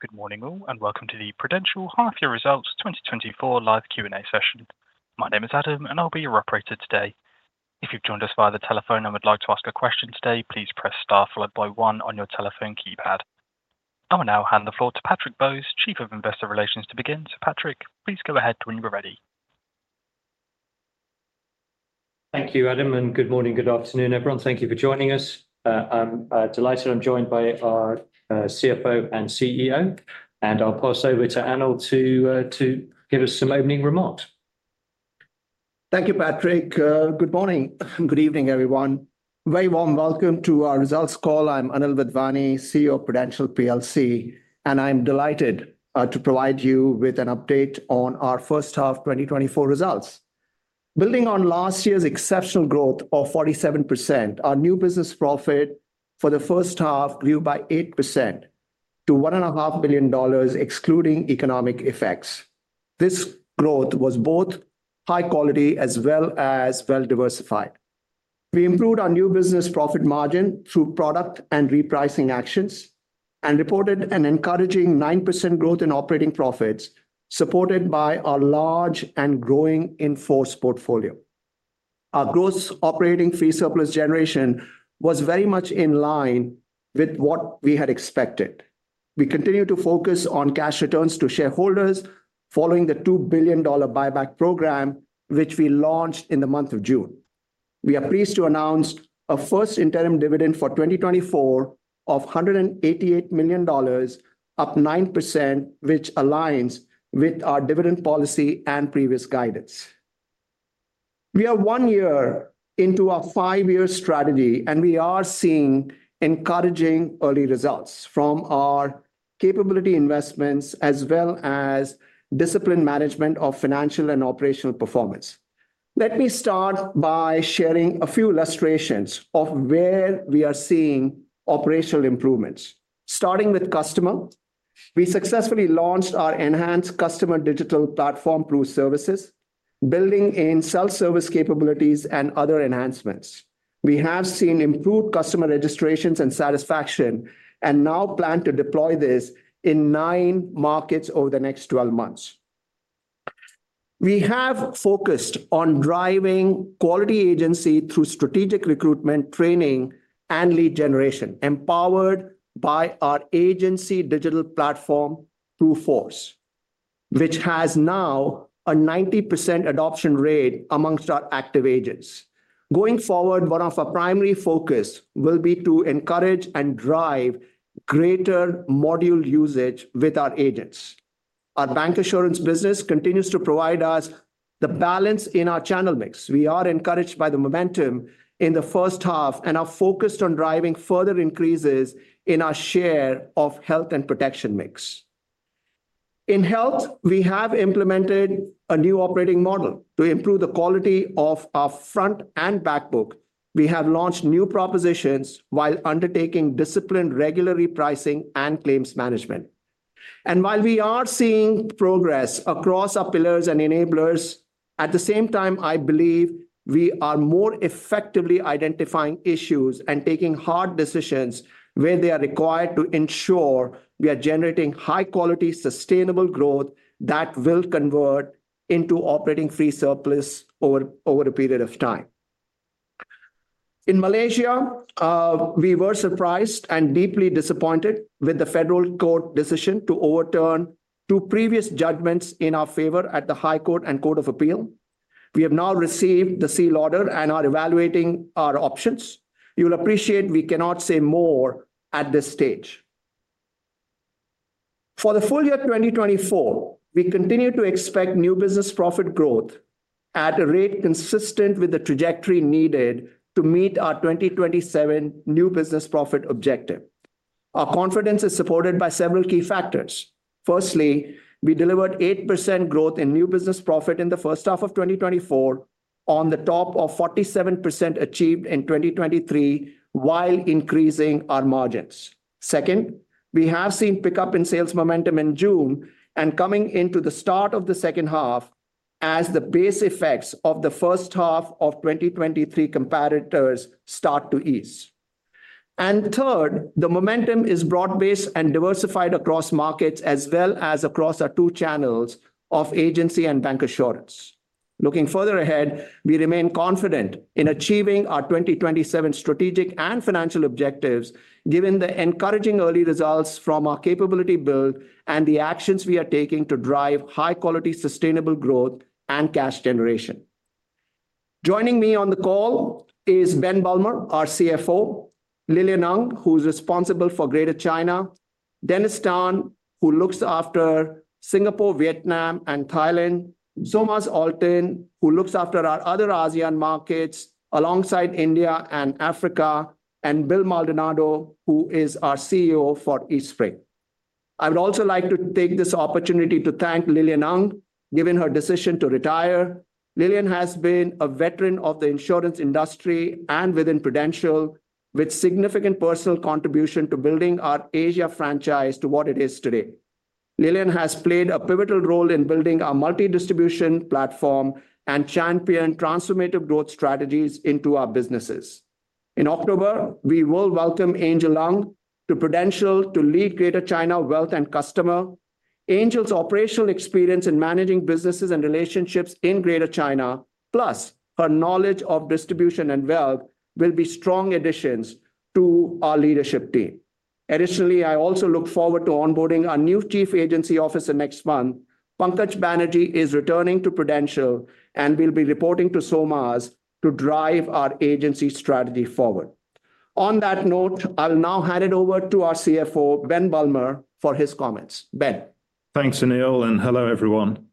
Good morning, all, and welcome to the Prudential half-year results 2024 live Q&A session. My name is Adam, and I'll be your operator today. If you've joined us via the telephone and would like to ask a question today, please press star followed by one on your telephone keypad. I will now hand the floor to Patrick Bowes, Chief of Investor Relations, to begin, so Patrick, please go ahead when you are ready. Thank you, Adam, and good morning, good afternoon, everyone. Thank you for joining us. I'm delighted I'm joined by our CFO and CEO, and I'll pass over to Anil to give us some opening remarks. Thank you, Patrick. Good morning, good evening, everyone. Very warm welcome to our results call. I'm Anil Wadhwani, CEO of Prudential plc, and I'm delighted to provide you with an update on our first half 2024 results. Building on last year's exceptional growth of 47%, our new business profit for the first half grew by 8% to $1.5 billion, excluding economic effects. This growth was both high quality as well as well diversified. We improved our new business profit margin through product and repricing actions and reported an encouraging 9% growth in operating profits, supported by our large and growing in-force portfolio. Our gross operating free surplus generation was very much in line with what we had expected. We continue to focus on cash returns to shareholders following the $2 billion buyback program, which we launched in the month of June. We are pleased to announce a first interim dividend for 2024 of $188 million, up 9%, which aligns with our dividend policy and previous guidance. We are one year into our five-year strategy, and we are seeing encouraging early results from our capability investments as well as disciplined management of financial and operational performance. Let me start by sharing a few illustrations of where we are seeing operational improvements. Starting with customer, we successfully launched our enhanced customer digital platform PRUServices, building in self-service capabilities and other enhancements. We have seen improved customer registrations and satisfaction and now plan to deploy this in nine markets over the next 12 months. We have focused on driving quality agency through strategic recruitment, training, and lead generation, empowered by our agency digital platform PRUForce, which has now a 90% adoption rate among our active agents. Going forward, one of our primary focus will be to encourage and drive greater module usage with our agents. Our Bancassurance business continues to provide us the balance in our channel mix. We are encouraged by the momentum in the first half and are focused on driving further increases in our share of Health and Protection mix. In Health, we have implemented a new operating model to improve the quality of our front and back book. We have launched new propositions while undertaking disciplined regular repricing and claims management. And while we are seeing progress across our pillars and enablers, at the same time, I believe we are more effectively identifying issues and taking hard decisions where they are required to ensure we are generating high-quality, sustainable growth that will convert into operating free surplus over a period of time. In Malaysia, we were surprised and deeply disappointed with the federal court decision to overturn two previous judgments in our favor at the High Court and Court of Appeal. We have now received the sealed order and are evaluating our options. You'll appreciate we cannot say more at this stage. For the full year 2024, we continue to expect new business profit growth at a rate consistent with the trajectory needed to meet our 2027 new business profit objective. Our confidence is supported by several key factors. Firstly, we delivered 8% growth in new business profit in the first half of 2024, on top of 47% achieved in 2023, while increasing our margins. Second, we have seen pickup in sales momentum in June and coming into the start of the second half as the base effects of the first half of 2023 comparators start to ease. And third, the momentum is broad-based and diversified across markets, as well as across our two channels of Agency and Bancassurance. Looking further ahead, we remain confident in achieving our 2027 strategic and financial objectives, given the encouraging early results from our capability build and the actions we are taking to drive high-quality, sustainable growth and cash generation. Joining me on the call is Ben Bulmer, our CFO, Lilian Ng, who's responsible for Greater China, Dennis Tan, who looks after Singapore, Vietnam, and Thailand, Solmaz Altin, who looks after our other ASEAN markets alongside India and Africa, and Bill Maldonado, who is our CEO for Eastspring. I would also like to take this opportunity to thank Lilian Ng, given her decision to retire. Lilian has been a veteran of the Insurance industry and within Prudential, with significant personal contribution to building our Asia franchise to what it is today. Lilian has played a pivotal role in building our multi-distribution platform and champion transformative growth strategies into our businesses. In October, we will welcome Angel Ng to Prudential to lead Greater China Wealth and Customer. Angel's operational experience in managing businesses and relationships in Greater China, plus her knowledge of distribution and wealth, will be strong additions to our leadership team. Additionally, I also look forward to onboarding our new Chief Agency Officer next month. Pankaj Banerjee is returning to Prudential and will be reporting to Solmaz to drive our agency strategy forward. On that note, I'll now hand it over to our CFO, Ben Bulmer, for his comments. Ben? Thanks, Anil, and hello, everyone.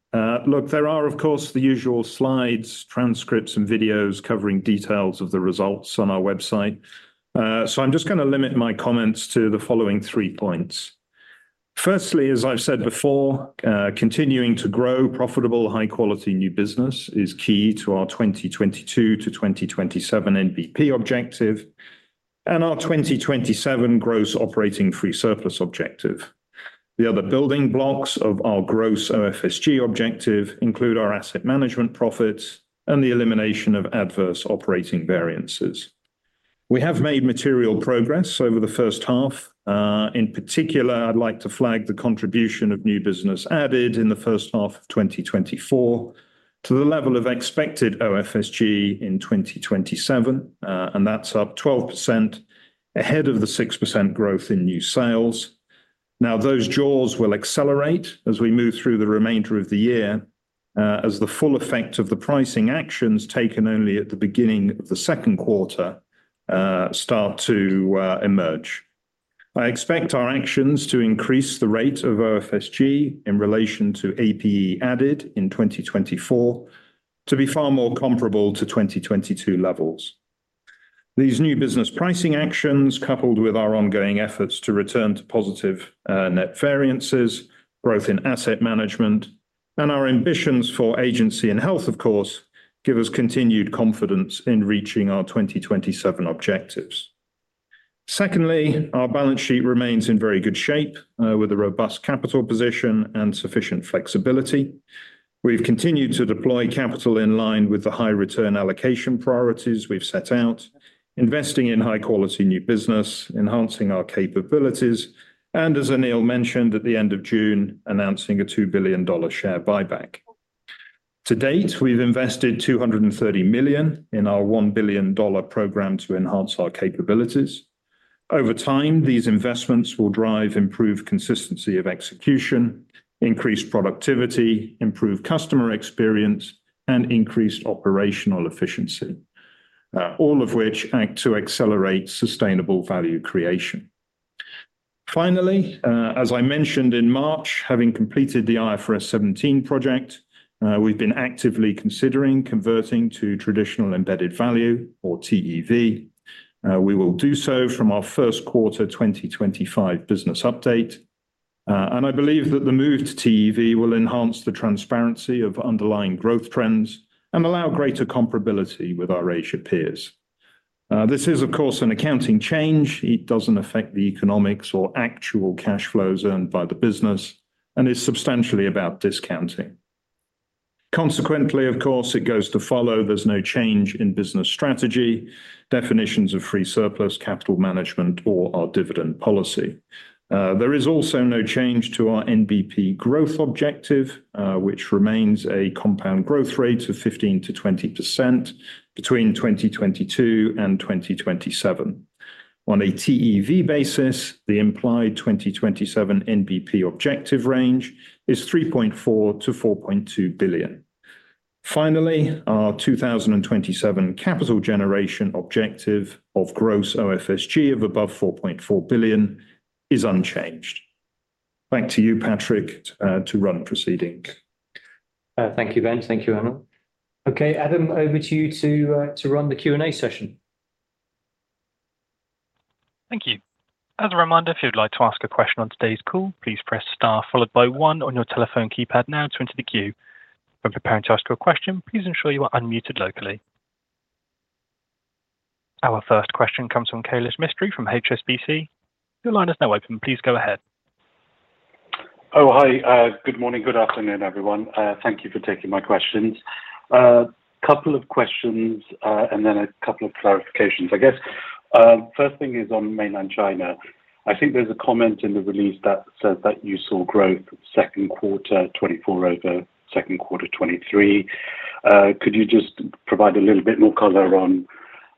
Look, there are, of course, the usual slides, transcripts, and videos covering details of the results on our website. So I'm just gonna limit my comments to the following three points. Firstly, as I've said before, continuing to grow profitable, high-quality new business is key to our 2022 to 2027 NBP objective and our 2027 gross operating free surplus objective. The other building blocks of our gross OFSG objective include our asset management profits and the elimination of adverse operating variances. We have made material progress over the first half. In particular, I'd like to flag the contribution of new business added in the first half of 2024 to the level of expected OFSG in 2027, and that's up 12%, ahead of the 6% growth in new sales. Now, those jaws will accelerate as we move through the remainder of the year, as the full effect of the pricing actions taken only at the beginning of the second quarter start to emerge. I expect our actions to increase the rate of OFSG in relation to APE added in 2024 to be far more comparable to 2022 levels. These new business pricing actions, coupled with our ongoing efforts to return to positive net variances, growth in asset management, and our ambitions for agency and health, of course, give us continued confidence in reaching our 2027 objectives. Secondly, our balance sheet remains in very good shape, with a robust capital position and sufficient flexibility. We've continued to deploy capital in line with the high return allocation priorities we've set out, investing in high-quality new business, enhancing our capabilities, and as Anil mentioned, at the end of June, announcing a $2 billion share buyback. To date, we've invested $230 million in our $1 billion program to enhance our capabilities. Over time, these investments will drive improved consistency of execution, increased productivity, improved customer experience, and increased operational efficiency, all of which act to accelerate sustainable value creation. Finally, as I mentioned in March, having completed the IFRS 17 project, we've been actively considering converting to traditional embedded value, or TEV. We will do so from our first quarter 2025 business update. And I believe that the move to TEV will enhance the transparency of underlying growth trends and allow greater comparability with our Asia peers. This is, of course, an accounting change. It doesn't affect the economics or actual cash flows earned by the business and is substantially about discounting. Consequently, of course, it goes to follow there's no change in business strategy, definitions of free surplus, capital management, or our dividend policy. There is also no change to our NBP growth objective, which remains a compound growth rate of 15%-20% between 2022 and 2027. On a TEV basis, the implied 2027 NBP objective range is $3.4 billion-$4.2 billion. Finally, our 2027 capital generation objective of gross OFSG of above $4.4 billion is unchanged. Back to you, Patrick, to run proceedings. Thank you, Ben. Thank you, Anil. Okay, Adam, over to you to run the Q&A session. Thank you. As a reminder, if you'd like to ask a question on today's call, please press star followed by one on your telephone keypad now to enter the queue. When preparing to ask your question, please ensure you are unmuted locally. Our first question comes from Kailesh Mistry from HSBC. Your line is now open. Please go ahead. Oh, hi. Good morning, good afternoon, everyone. Thank you for taking my questions. Couple of questions, and then a couple of clarifications. I guess, first thing is on mainland China. I think there's a comment in the release that says that you saw growth second quarter 2024 over second quarter 2023. Could you just provide a little bit more color on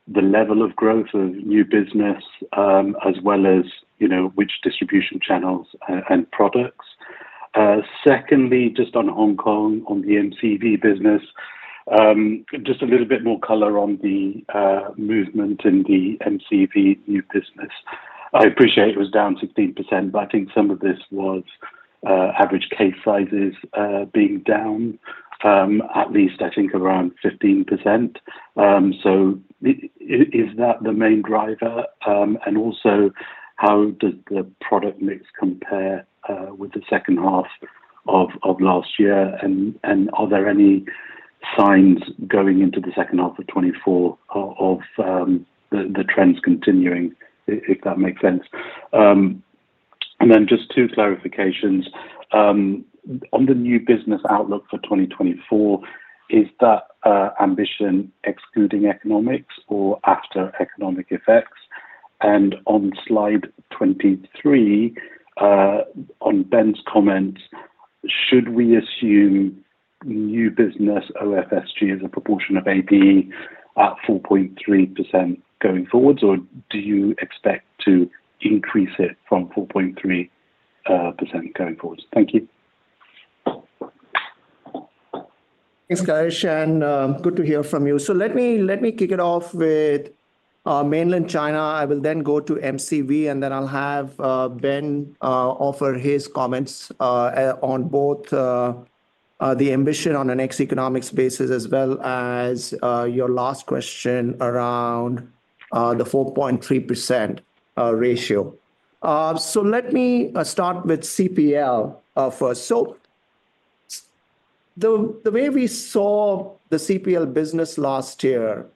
the level of growth of new business, as well as, you know, which distribution channels and products? Secondly, just on Hong Kong, on the MCV business, just a little bit more color on the movement in the MCV new business. I appreciate it was down 16%, but I think some of this was average case sizes being down, at least I think around 15%. So is that the main driver? And also, how does the product mix compare with the second half of last year, and are there any signs going into the second half of 2024 of the trends continuing, if that makes sense? And then just two clarifications. On the new business outlook for 2024, is that ambition excluding economics or after economic effects? And on slide 23, on Ben's comment, should we assume new business OFSG as a proportion of AP at 4.3% going forward, or do you expect to increase it from 4.3% going forward? Thank you. Thanks, Kailesh, and good to hear from you. Let me kick it off with Mainland China. I will then go to MCV, and then I'll have Ben offer his comments on both the ambition on an ex economics basis as well as your last question around the 4.3% ratio. So let me start with CPL first. So the way we saw the CPL business last year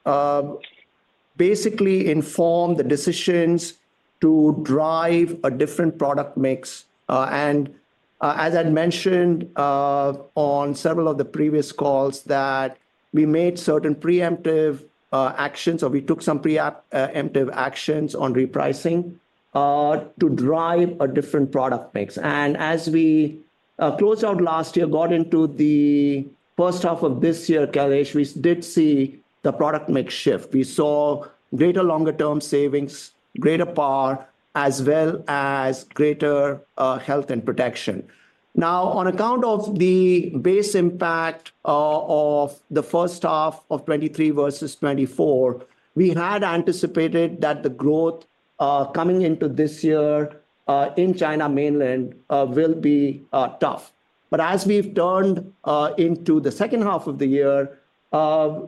basically informed the decisions to drive a different product mix. And as I'd mentioned on several of the previous calls, that we made certain preemptive actions, or we took some preemptive actions on repricing to drive a different product mix. And as we closed out last year, got into the first half of this year, Kailesh, we did see the product mix shift. We saw greater longer-term savings, greater par, as well as greater Health and Protection. Now, on account of the base impact of the first half of 2023 versus 2024, we had anticipated that the growth coming into this year in China Mainland will be tough. But as we've turned into the second half of the year,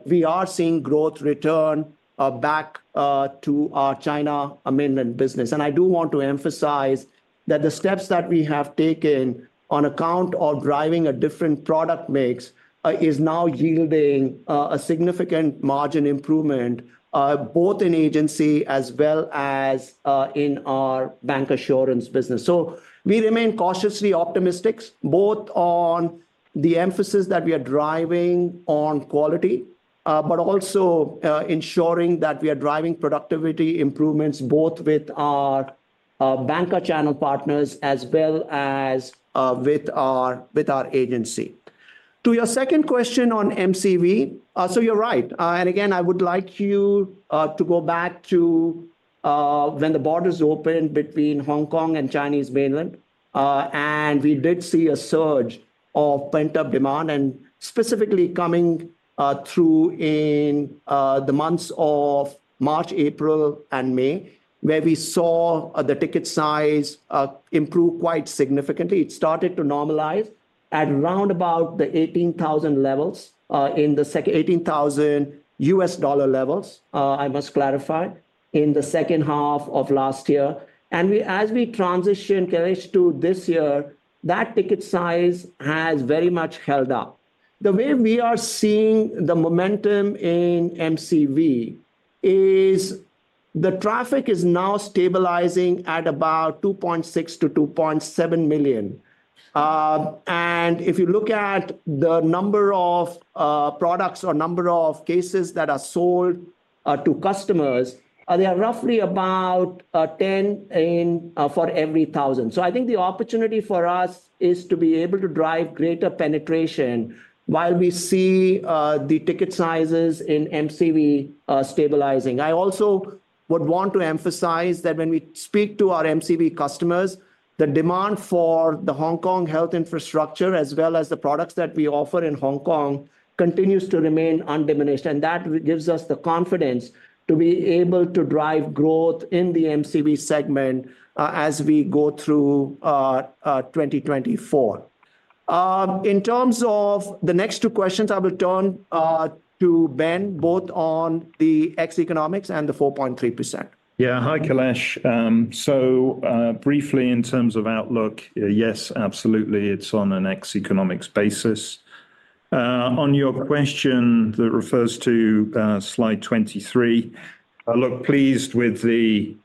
we are seeing growth return back to our China Mainland business. And I do want to emphasize that the steps that we have taken on account of driving a different product mix is now yielding a significant margin improvement both in agency as well as in our Bancassurance business. So we remain cautiously optimistic, both on the emphasis that we are driving on quality, but also ensuring that we are driving productivity improvements, both with our Banca channel partners as well as with our agency. To your second question on MCV, so you're right. And again, I would like you to go back to when the borders opened between Hong Kong and Chinese mainland. And we did see a surge of pent-up demand, and specifically coming through in the months of March, April, and May, where we saw the ticket size improve quite significantly. It started to normalize at round about the $18,000 levels, in the $18,000 levels, I must clarify, in the second half of last year. As we transition, Kailesh, to this year, that ticket size has very much held up. The way we are seeing the momentum in MCV is the traffic is now stabilizing at about $2.6 million-$2.7 million. And if you look at the number of products or number of cases that are sold to customers, they are roughly about 10 in 1,000. So I think the opportunity for us is to be able to drive greater penetration while we see the ticket sizes in MCV stabilizing. I also would want to emphasize that when we speak to our MCV customers, the demand for the Hong Kong health infrastructure, as well as the products that we offer in Hong Kong, continues to remain undiminished. That gives us the confidence to be able to drive growth in the MCV segment, as we go through 2024. In terms of the next two questions, I will turn to Ben, both on the ex economics and the 4.3%. Yeah. Hi, Kailesh. So, briefly, in terms of outlook, yes, absolutely, it's on an ex-economics basis. On your question that refers to slide 23, I'm pleased with the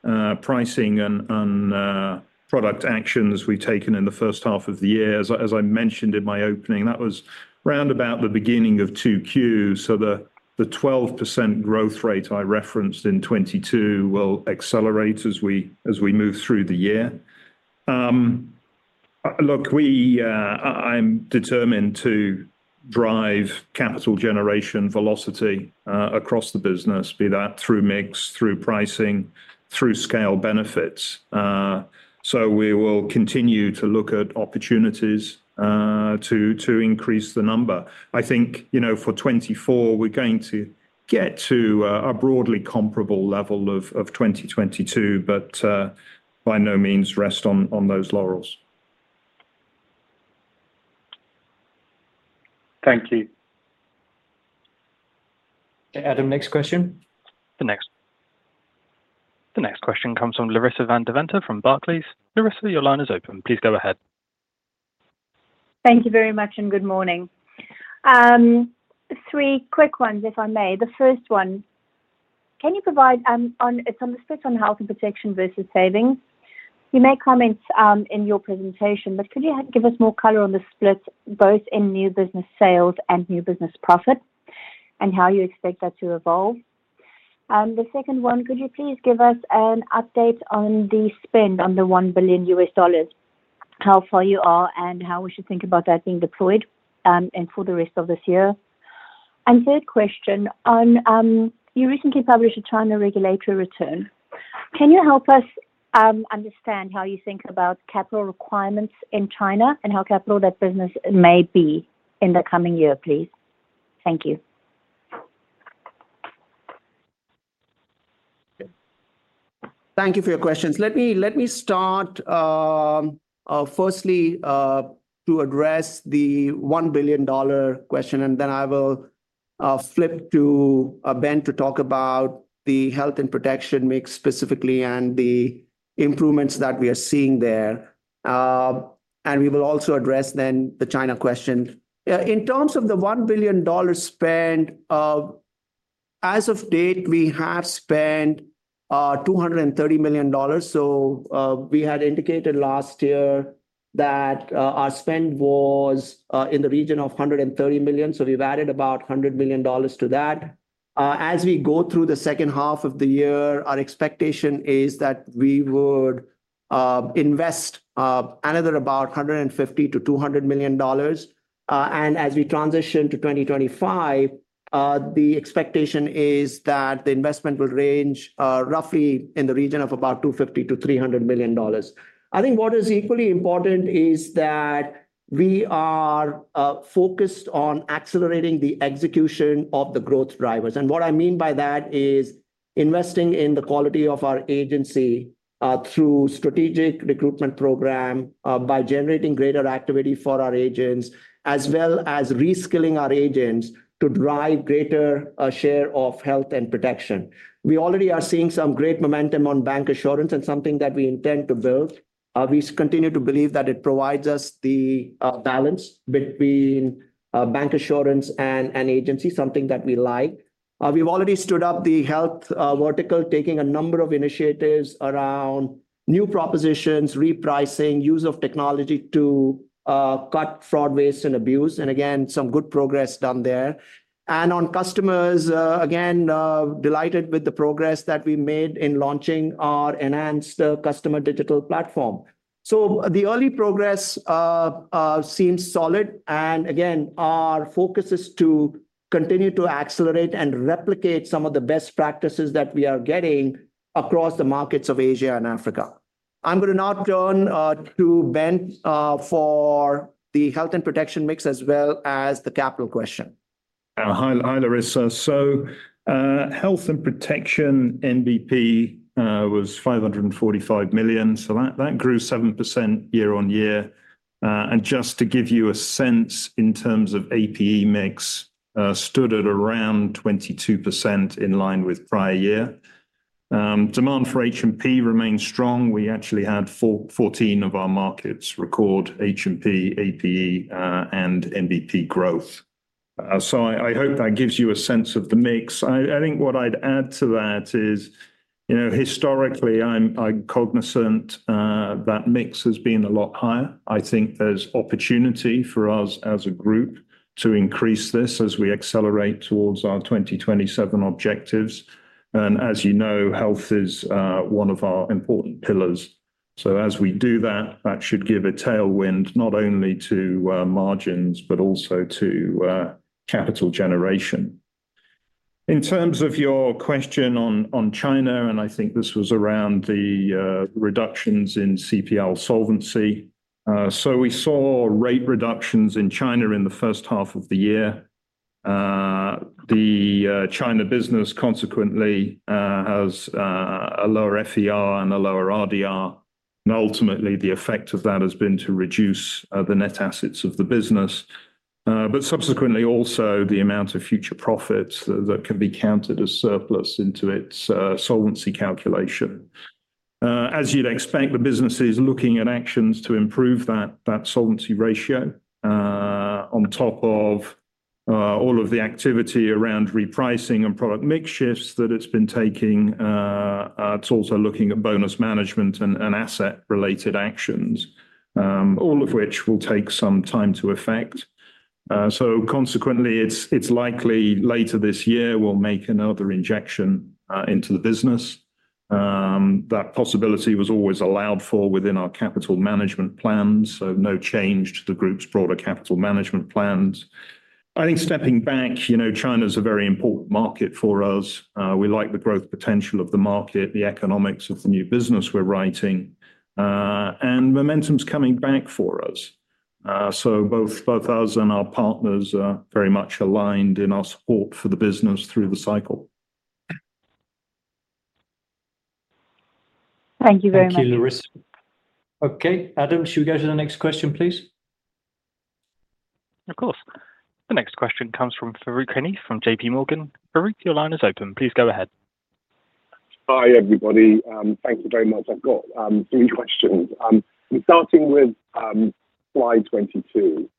pricing and product actions we've taken in the first half of the year. As I mentioned in my opening, that was round about the beginning of 2Q, so the 12% growth rate I referenced in 2022 will accelerate as we move through the year. Look, I'm determined to drive capital generation velocity across the business, be that through mix, through pricing, through scale benefits. So we will continue to look at opportunities to increase the number. I think, you know, for 2024, we're going to get to a broadly comparable level of 2022, but by no means rest on those laurels. Thank you. Adam, next question? The next question comes from Larissa van Deventer from Barclays. Larissa, your line is open. Please go ahead. Thank you very much, and good morning. Three quick ones, if I may. The first one, can you provide, on, it's on the split on Health and Protection versus savings? You made comments, in your presentation, but could you give us more color on the split, both in new business sales and new business profit, and how you expect that to evolve? The second one, could you please give us an update on the spend on the $1 billion, how far you are, and how we should think about that being deployed, and for the rest of this year? The third question, on, you recently published a China regulatory return. Can you help us, understand how you think about capital requirements in China, and how capital that business may be in the coming year, please? Thank you. Thank you for your questions. Let me start, firstly, to address the $1 billion question, and then I will flip to Ben to talk about the Health and Protection mix specifically and the improvements that we are seeing there, and we will also address then the China question. In terms of the $1 billion spend, as of date, we have spent $230 million. We had indicated last year that our spend was in the region of $130 million, so we've added about $100 million to that. As we go through the second half of the year, our expectation is that we would invest another about $150 million-$200 million. As we transition to 2025, the expectation is that the investment will range roughly in the region of about $250 million -$300 million. I think what is equally important is that we are focused on accelerating the execution of the growth drivers. What I mean by that is investing in the quality of our agency through strategic recruitment program by generating greater activity for our agents, as well as reskilling our agents to drive greater share of Health and Protection. We already are seeing some great momentum on Bancassurance and something that we intend to build. We continue to believe that it provides us the balance between Bancassurance and agency, something that we like. We've already stood up the health vertical, taking a number of initiatives around new propositions, repricing, use of technology to cut fraud, waste, and abuse, and again, some good progress done there. And on customers, again, delighted with the progress that we made in launching our enhanced customer digital platform. So the early progress seems solid, and again, our focus is to continue to accelerate and replicate some of the best practices that we are getting across the markets of Asia and Africa. I'm gonna now turn to Ben for the Health and Protection mix, as well as the capital question. Hi, Larissa. So, Health and Protection, NBP, was $545 million, so that grew 7% year-on-year. And just to give you a sense in terms of APE mix, stood at around 22% in line with prior year. Demand for H&P remains strong. We actually had 14 of our markets record H&P, APE, and NBP growth. So, I hope that gives you a sense of the mix. I think what I'd add to that is, you know, historically, I'm cognizant that mix has been a lot higher. I think there's opportunity for us as a group to increase this as we accelerate towards our 2027 objectives. And as you know, Health is one of our important pillars. So as we do that, that should give a tailwind, not only to margins, but also to capital generation. In terms of your question on China, and I think this was around the reductions in CPL solvency, so we saw rate reductions in China in the first half of the year. The China business consequently has a lower RFR and a lower RDR, and ultimately, the effect of that has been to reduce the net assets of the business, but subsequently also the amount of future profits that can be counted as surplus into its solvency calculation. As you'd expect, the business is looking at actions to improve that solvency ratio. On top of all of the activity around repricing and product mix shifts that it's been taking, it's also looking at bonus management and asset-related actions, all of which will take some time to effect. So consequently, it's likely later this year we'll make another injection into the business. That possibility was always allowed for within our capital management plans, so no change to the group's broader capital management plans. I think stepping back, you know, China's a very important market for us. We like the growth potential of the market, the economics of the new business we're writing, and momentum's coming back for us. So both us and our partners are very much aligned in our support for the business through the cycle. Thank you very much. Thank you, Larissa. Okay, Adam, should we go to the next question, please? Of course. The next question comes from Farooq Hanif from JPMorgan. Farooq, your line is open. Please go ahead. Hi, everybody, thank you very much. I've got three questions. Starting with slide 22,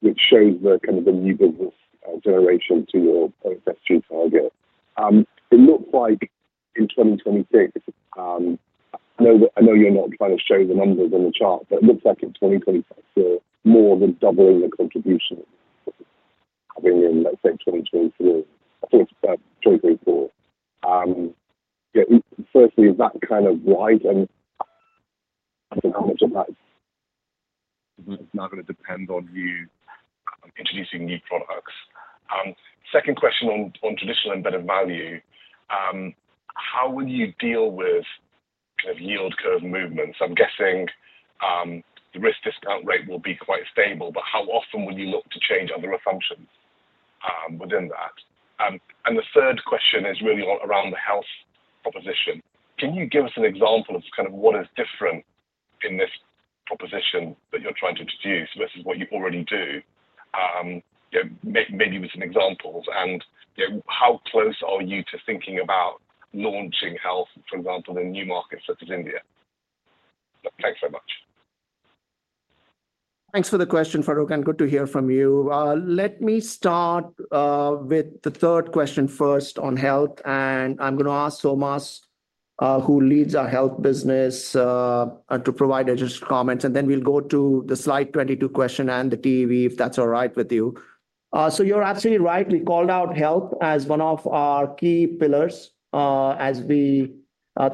which shows the kind of the new business generation to your point, OFSG target. It looks like in 2026, I know you're not trying to show the numbers on the chart, but it looks like in 2026, you're more than doubling the contribution having in, let's say, 2024. I think it's 2024. Yeah, firstly, is that kind of right? And I think how much of that is not gonna depend on you introducing new products. Second question on traditional embedded value, how will you deal with kind of yield curve movements? I'm guessing the risk discount rate will be quite stable, but how often would you look to change other assumptions within that, and the third question is really around the Health proposition. Can you give us an example of kind of what is different in this proposition that you're trying to introduce versus what you already do? Yeah, maybe with some examples, and yeah, how close are you to thinking about launching health, for example, in new markets such as India? Thanks so much. Thanks for the question, Farooq, and good to hear from you. Let me start with the third question first on Health, and I'm gonna ask Solmaz, who leads our Health business, to provide additional comments, and then we'll go to the slide 22 question and the TEV, if that's all right with you. So you're absolutely right. We called out Health as one of our key pillars, as we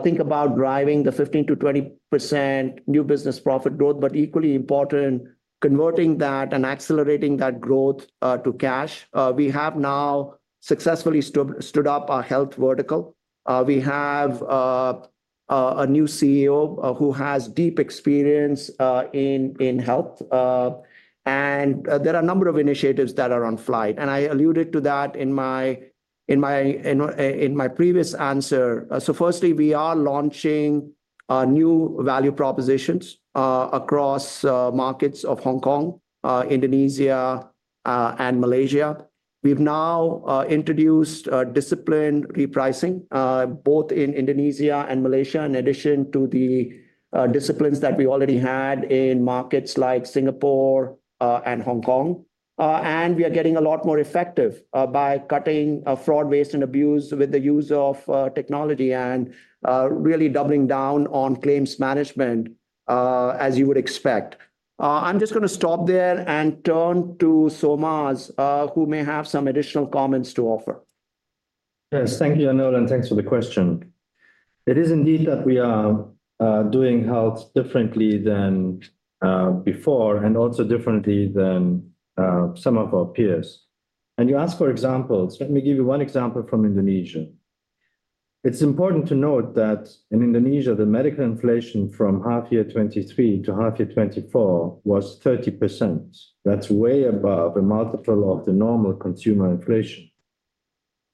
think about driving the 15%-20% new business profit growth, but equally important, converting that and accelerating that growth to cash. We have now successfully stood up our health vertical. We have a new CEO, who has deep experience in Health. There are a number of initiatives that are on flight, and I alluded to that in my previous answer. So firstly, we are launching new value propositions across markets of Hong Kong, Indonesia, and Malaysia. We've now introduced disciplined repricing both in Indonesia and Malaysia, in addition to the disciplines that we already had in markets like Singapore and Hong Kong. We are getting a lot more effective by cutting fraud, waste, and abuse with the use of technology and really doubling down on claims management, as you would expect. I'm just gonna stop there and turn to Solmaz, who may have some additional comments to offer. Yes. Thank you, Anil, and thanks for the question. It is indeed that we are doing Health differently than before and also differently than some of our peers. And you asked for examples. Let me give you one example from Indonesia. It's important to note that in Indonesia, the medical inflation from half year 2023 to half year 2024 was 30%. That's way above a multiple of the normal consumer inflation.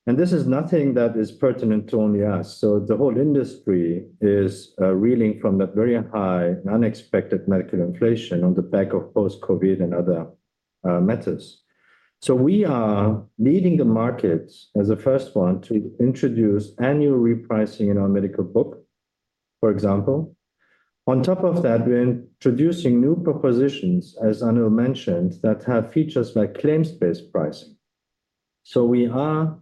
And this is nothing that is pertinent to only us. So the whole industry is reeling from that very high, unexpected medical inflation on the back of post-COVID and other methods. So we are leading the market as the first one to introduce annual repricing in our medical book, for example. On top of that, we're introducing new propositions, as Anil mentioned, that have features like claims-based pricing. We are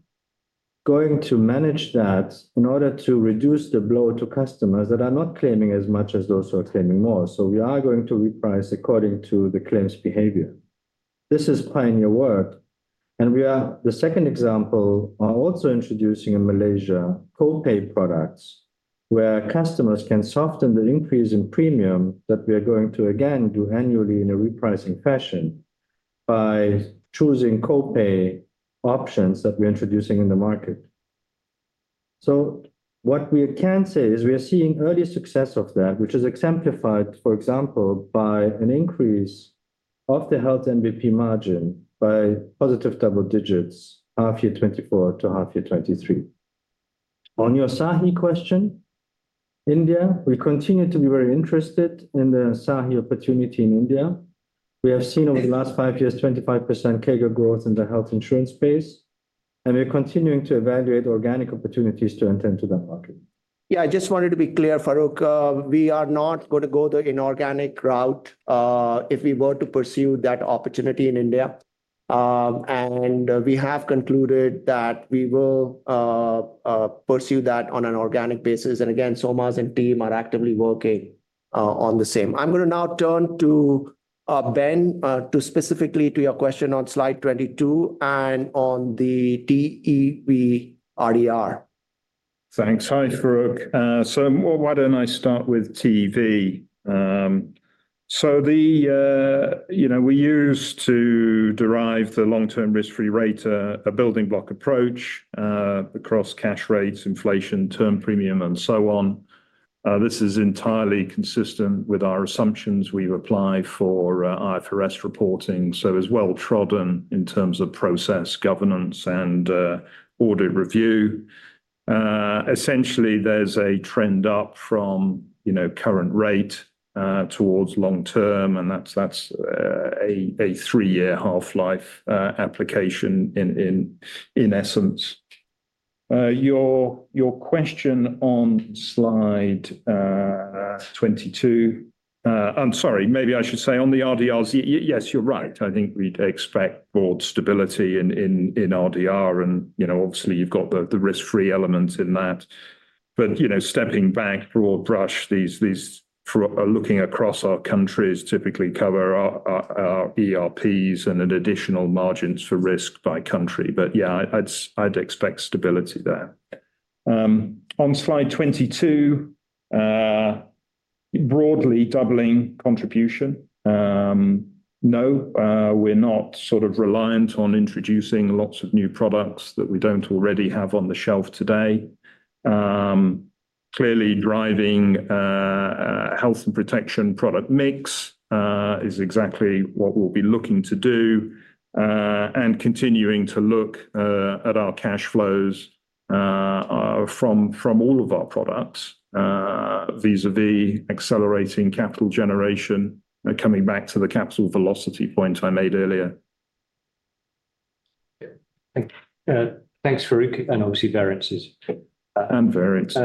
going to manage that in order to reduce the blow to customers that are not claiming as much as those who are claiming more. We are going to reprice according to the claims behavior. This is pioneer work, and we are. The second example, we are also introducing in Malaysia, co-pay products, where customers can soften the increase in premium that we are going to, again, do annually in a repricing fashion by choosing co-pay options that we're introducing in the market. What we can say is we are seeing early success of that, which is exemplified, for example, by an increase of the health NBP margin by positive double digits, half year 2024 to half year 2023. On your SAHI question, India, we continue to be very interested in the SAHI opportunity in India. We have seen over the last five years, 25% CAGR growth in the Health insurance space, and we're continuing to evaluate organic opportunities to enter into that market. Yeah, I just wanted to be clear, Farooq, we are not gonna go the inorganic route, if we were to pursue that opportunity in India. And we have concluded that we will pursue that on an organic basis. And again, Solmaz and team are actively working on the same. I'm gonna now turn to Ben to specifically your question on slide 22 and on the TEV, RDR. Thanks. Hi, Farooq. So why don't I start with TEV? So the, you know, we used to derive the long-term risk-free rate, a building block approach, across cash rates, inflation, term premium, and so on. This is entirely consistent with our assumptions we've applied for, IFRS reporting, so as well trodden in terms of process, governance, and audit review. Essentially, there's a trend up from, you know, current rate, towards long-term, and that's, a three-year half-life, application in essence. Your question on slide 22. I'm sorry, maybe I should say on the RDRs, yes, you're right. I think we'd expect broad stability in RDR, and, you know, obviously, you've got the risk-free element in that. But, you know, stepping back broad brush, these are looking across our countries typically cover our ERPs and an additional margins for risk by country. But, yeah, I'd expect stability there. On slide 22, broadly doubling contribution. No, we're not sort of reliant on introducing lots of new products that we don't already have on the shelf today. Clearly driving Health and Protection product mix is exactly what we'll be looking to do, and continuing to look at our cash flows from all of our products vis-à-vis accelerating capital generation and coming back to the capital velocity point I made earlier. Yeah. Thanks, Farooq, and obviously variances. And variances.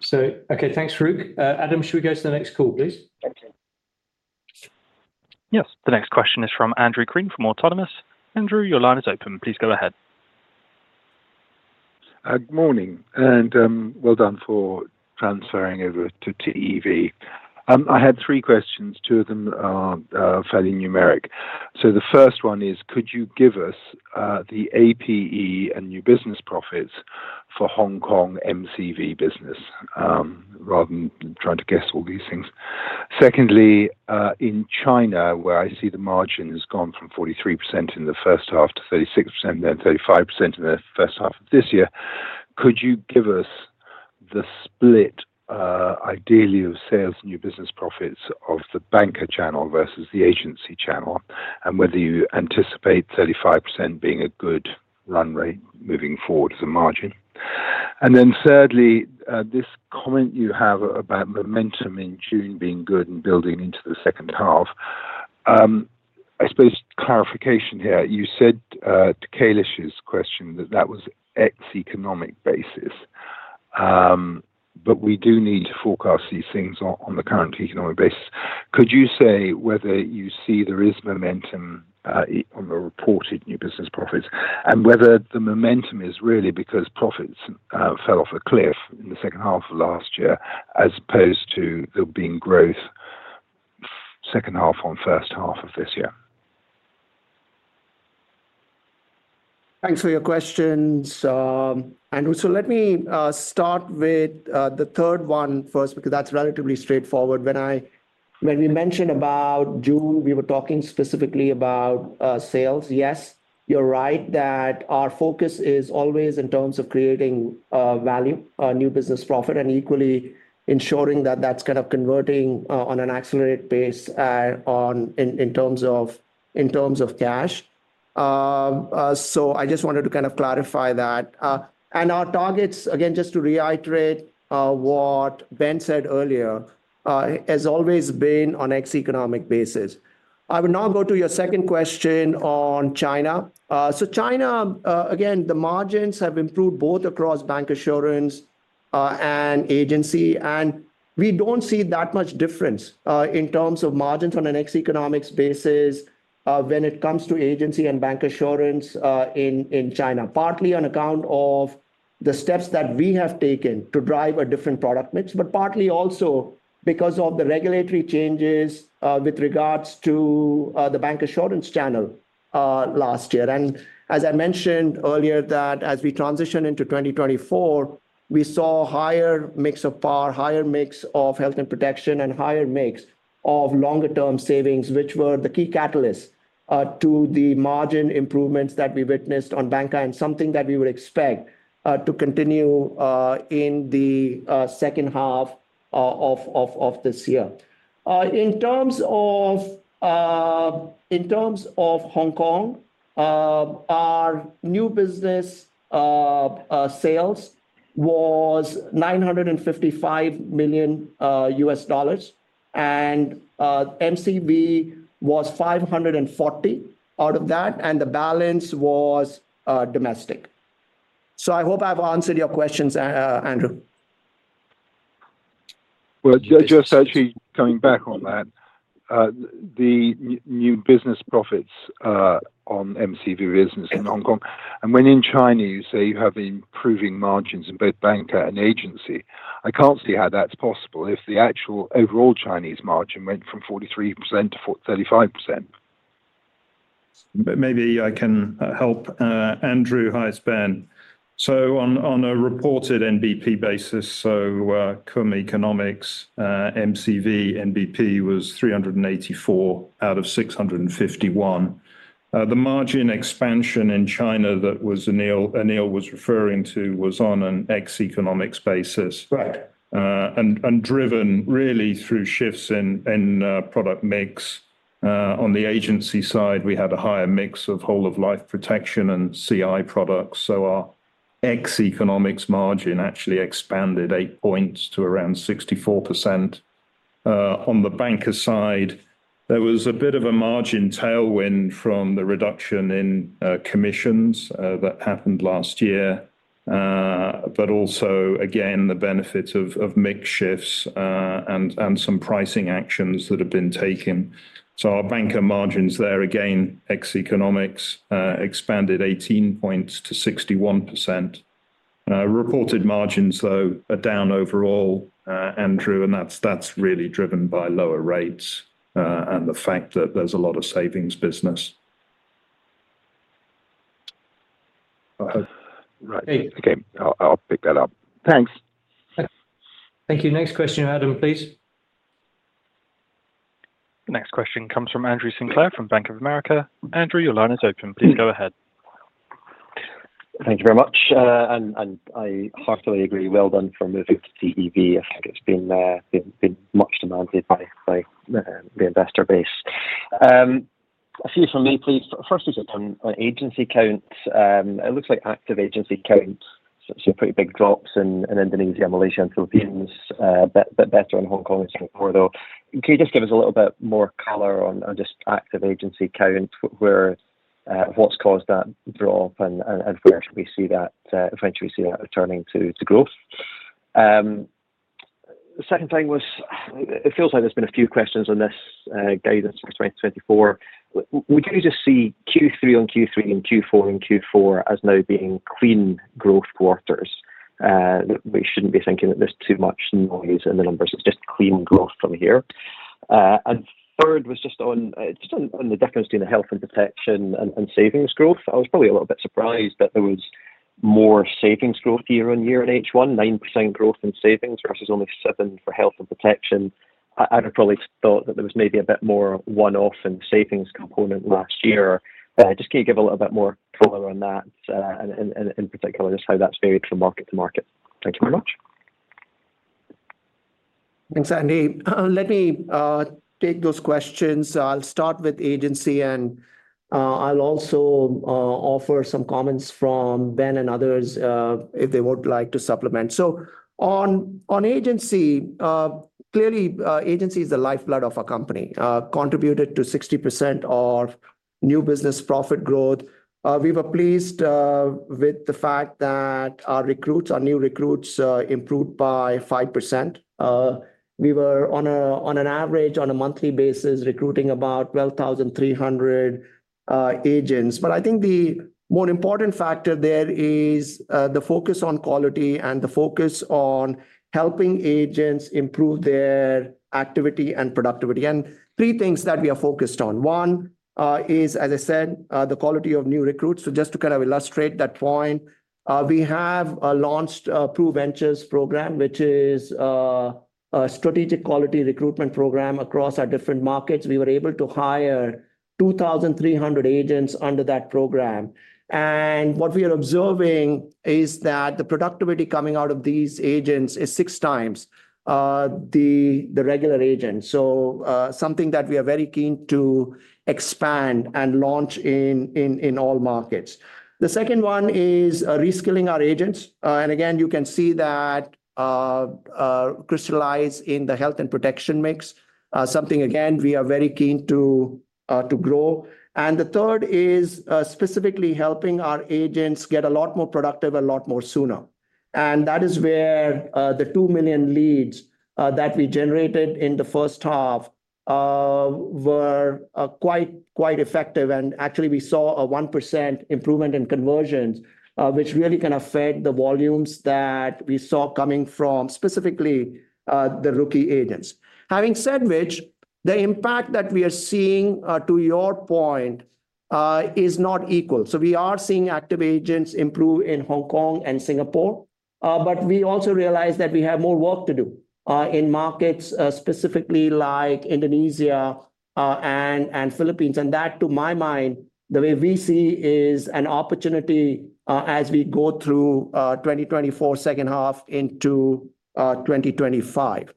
So, okay, thanks, Farooq. Adam, should we go to the next call, please? Thank you. Yes. The next question is from Andrew Crean from Autonomous. Andrew, your line is open. Please go ahead. Good morning, and well done for transferring over to TEV. I had three questions. Two of them are fairly numeric. So the first one is, could you give us the APE and new business profits for Hong Kong MCV business, rather than trying to guess all these things? Secondly, in China, where I see the margin has gone from 43% in the first half to 36%, then 35% in the first half of this year, could you give us the split, ideally, of sales, new business profits of the Banca channel versus the agency channel, and whether you anticipate 35% being a good run rate moving forward as a margin? And then, thirdly, this comment you have about momentum in June being good and building into the second half, I suppose clarification here. You said, to Kailesh's question, that that was ex-economic basis. But we do need to forecast these things on the current economic basis. Could you say whether you see there is momentum on the reported new business profits, and whether the momentum is really because profits fell off a cliff in the second half of last year, as opposed to there being growth second half on first half of this year? Thanks for your questions, Andrew. So let me start with the third one first, because that's relatively straightforward. When we mentioned about June, we were talking specifically about sales. Yes, you're right that our focus is always in terms of creating value, new business profit, and equally ensuring that that's kind of converting on an accelerated pace, in terms of cash. So I just wanted to kind of clarify that. And our targets, again, just to reiterate, what Ben said earlier, has always been on ex-economic basis. I will now go to your second question on China. So China, again, the margins have improved both across Bancassurance and agency, and we don't see that much difference in terms of margins on an ex-economics basis, when it comes to agency and Bancassurance, in China. Partly on account of the steps that we have taken to drive a different product mix, but partly also because of the regulatory changes, with regards to the Bancassurance channel, last year. And as I mentioned earlier, that as we transition into 2024, we saw higher mix of par, higher mix of Health and Protection, and higher mix of longer-term savings, which were the key catalysts to the margin improvements that we witnessed on banca, and something that we would expect to continue in the second half of this year. In terms of Hong Kong, our new business sales was $955 million, and MCV was $540 million out of that, and the balance was domestic. So I hope I've answered your questions, Andrew. Just actually coming back on that, the new business profits on MCV business in Hong Kong, and in China, you say you have improving margins in both Banca and Agency. I can't see how that's possible if the actual overall Chinese margin went from 43% to 35%. Maybe I can help Andrew. Hi, it's Ben. On a reported NBP basis, cum economics, MCV NBP was 384 out of 651. The margin expansion in China that Anil was referring to was on an ex-economics basis and driven really through shifts in product mix. On the agency side, we had a higher mix of whole of life protection and CI products, so our ex-economics margin actually expanded eight points to around 64%. On the Banca side, there was a bit of a margin tailwind from the reduction in commissions that happened last year. But also again, the benefit of mix shifts and some pricing actions that have been taken. So our Banca margins there, again, ex-economics, expanded 18 points to 61%. Reported margins, though, are down overall, Andrew, and that's really driven by lower rates and the fact that there's a lot of savings business. Okay, I'll pick that up. Thanks. Thank you. Next question, Adam, please. The next question comes from Andrew Sinclair from Bank of America. Andrew, your line is open. Please go ahead. Thank you very much. I heartily agree. Well done for moving to TEV. I think it's been much demanded by the investor base. A few from me, please. First, is it on agency counts? It looks like active agency counts, so pretty big drops in Indonesia, Malaysia, and Philippines. Better in Hong Kong and Singapore, though. Can you just give us a little bit more color on just active agency count, where what's caused that drop, and where should we see that eventually returning to growth? The second thing was, it feels like there's been a few questions on this guidance for 2024. Would you just see Q3 on Q3 and Q4 on Q4 as now being clean growth quarters? We shouldn't be thinking that there's too much noise in the numbers. It's just clean growth from here. And third was just on the difference between the Health and Protection and savings growth. I was probably a little bit surprised that there was more savings growth year on year in H1, 9% growth in savings versus only 7% for Health and Protection. I'd have probably thought that there was maybe a bit more one-off in savings component last year. Just can you give a little bit more color on that, and in particular, just how that's varied from market-to-market? Thank you very much. Thanks, Andy. Let me take those questions. I'll start with agency, and I'll also offer some comments from Ben and others, if they would like to supplement. So on agency, clearly agency is the lifeblood of our company, contributed to 60% of new business profit growth. We were pleased with the fact that our recruits, our new recruits, improved by 5%. We were on an average, on a monthly basis, recruiting about 12,300 agents. But I think the more important factor there is the focus on quality and the focus on helping agents improve their activity and productivity. Three things that we are focused on. One is, as I said, the quality of new recruits. So just to kind of illustrate that point, we have launched a PRUVenture program, which is a strategic quality recruitment program across our different markets. We were able to hire 2,300 agents under that program. And what we are observing is that the productivity coming out of these agents is 6x the regular agents. So something that we are very keen to expand and launch in all markets. The second one is reskilling our agents. And again, you can see that crystallize in the Health and Protection mix. Something again, we are very keen to grow. And the third is specifically helping our agents get a lot more productive, a lot more sooner. And that is where the $2 million leads that we generated in the first half were quite effective. And actually, we saw a 1% improvement in conversions, which really kind of fed the volumes that we saw coming from specifically the rookie agents. Having said which, the impact that we are seeing to your point is not equal. So we are seeing active agents improve in Hong Kong and Singapore, but we also realize that we have more work to do in markets specifically like Indonesia and Philippines. And that, to my mind, the way we see is an opportunity as we go through 2024, second half into 2025.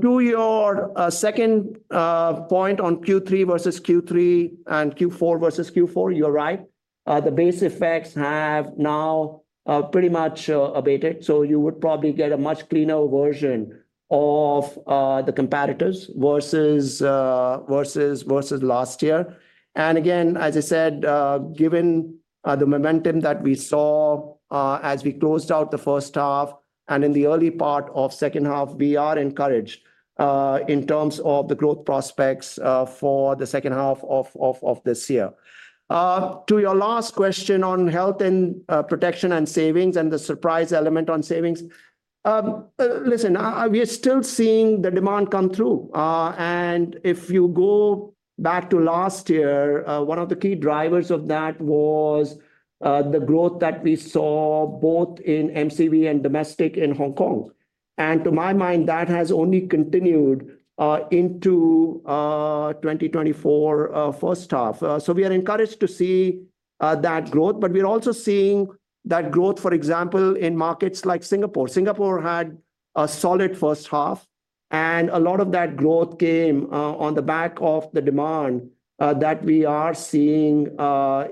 To your second point on Q3 versus Q3 and Q4 versus Q4, you're right. The base effects have now pretty much abated, so you would probably get a much cleaner version of the comparators versus last year. And again, as I said, given the momentum that we saw as we closed out the first half and in the early part of second half, we are encouraged in terms of the growth prospects for the second half of this year. To your last question on Health and Protection and Savings and the surprise element on savings. Listen, we are still seeing the demand come through. And if you go back to last year, one of the key drivers of that was the growth that we saw both in MCV and Domestic in Hong Kong. To my mind, that has only continued into 2024 first half. So we are encouraged to see that growth, but we're also seeing that growth, for example, in markets like Singapore. Singapore had a solid first half, and a lot of that growth came on the back of the demand that we are seeing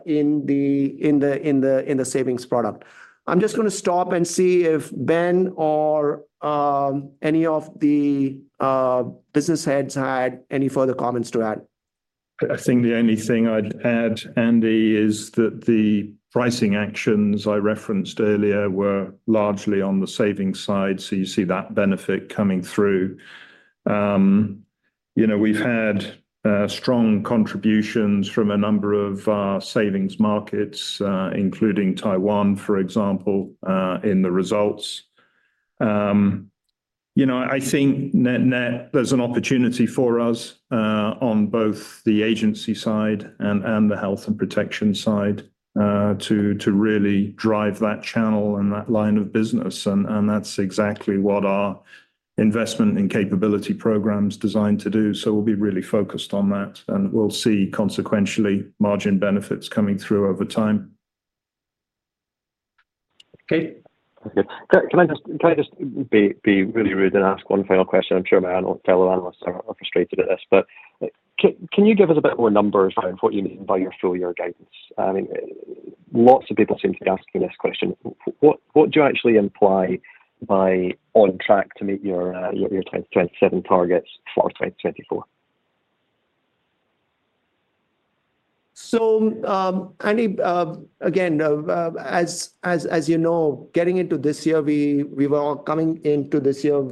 in the savings product. I'm just gonna stop and see if Ben or any of the business heads had any further comments to add? I think the only thing I'd add, Andy, is that the pricing actions I referenced earlier were largely on the savings side, so you see that benefit coming through. You know, we've had strong contributions from a number of savings markets, including Taiwan, for example, in the results. You know, I think net-net, there's an opportunity for us on both the agency side and the Health and Protection side to really drive that channel and that line of business, and that's exactly what our investment and capability program's designed to do, so we'll be really focused on that, and we'll see consequentially margin benefits coming through over time. Okay. Okay. Can I just be really rude and ask one final question? I'm sure my fellow analysts are frustrated at this. But, can you give us a bit more numbers around what you mean by your full year guidance? I mean, lots of people seem to be asking this question. What do you actually imply by on track to meet your 2027 targets for 2024? Andy, again, as you know, getting into this year, we were all coming into this year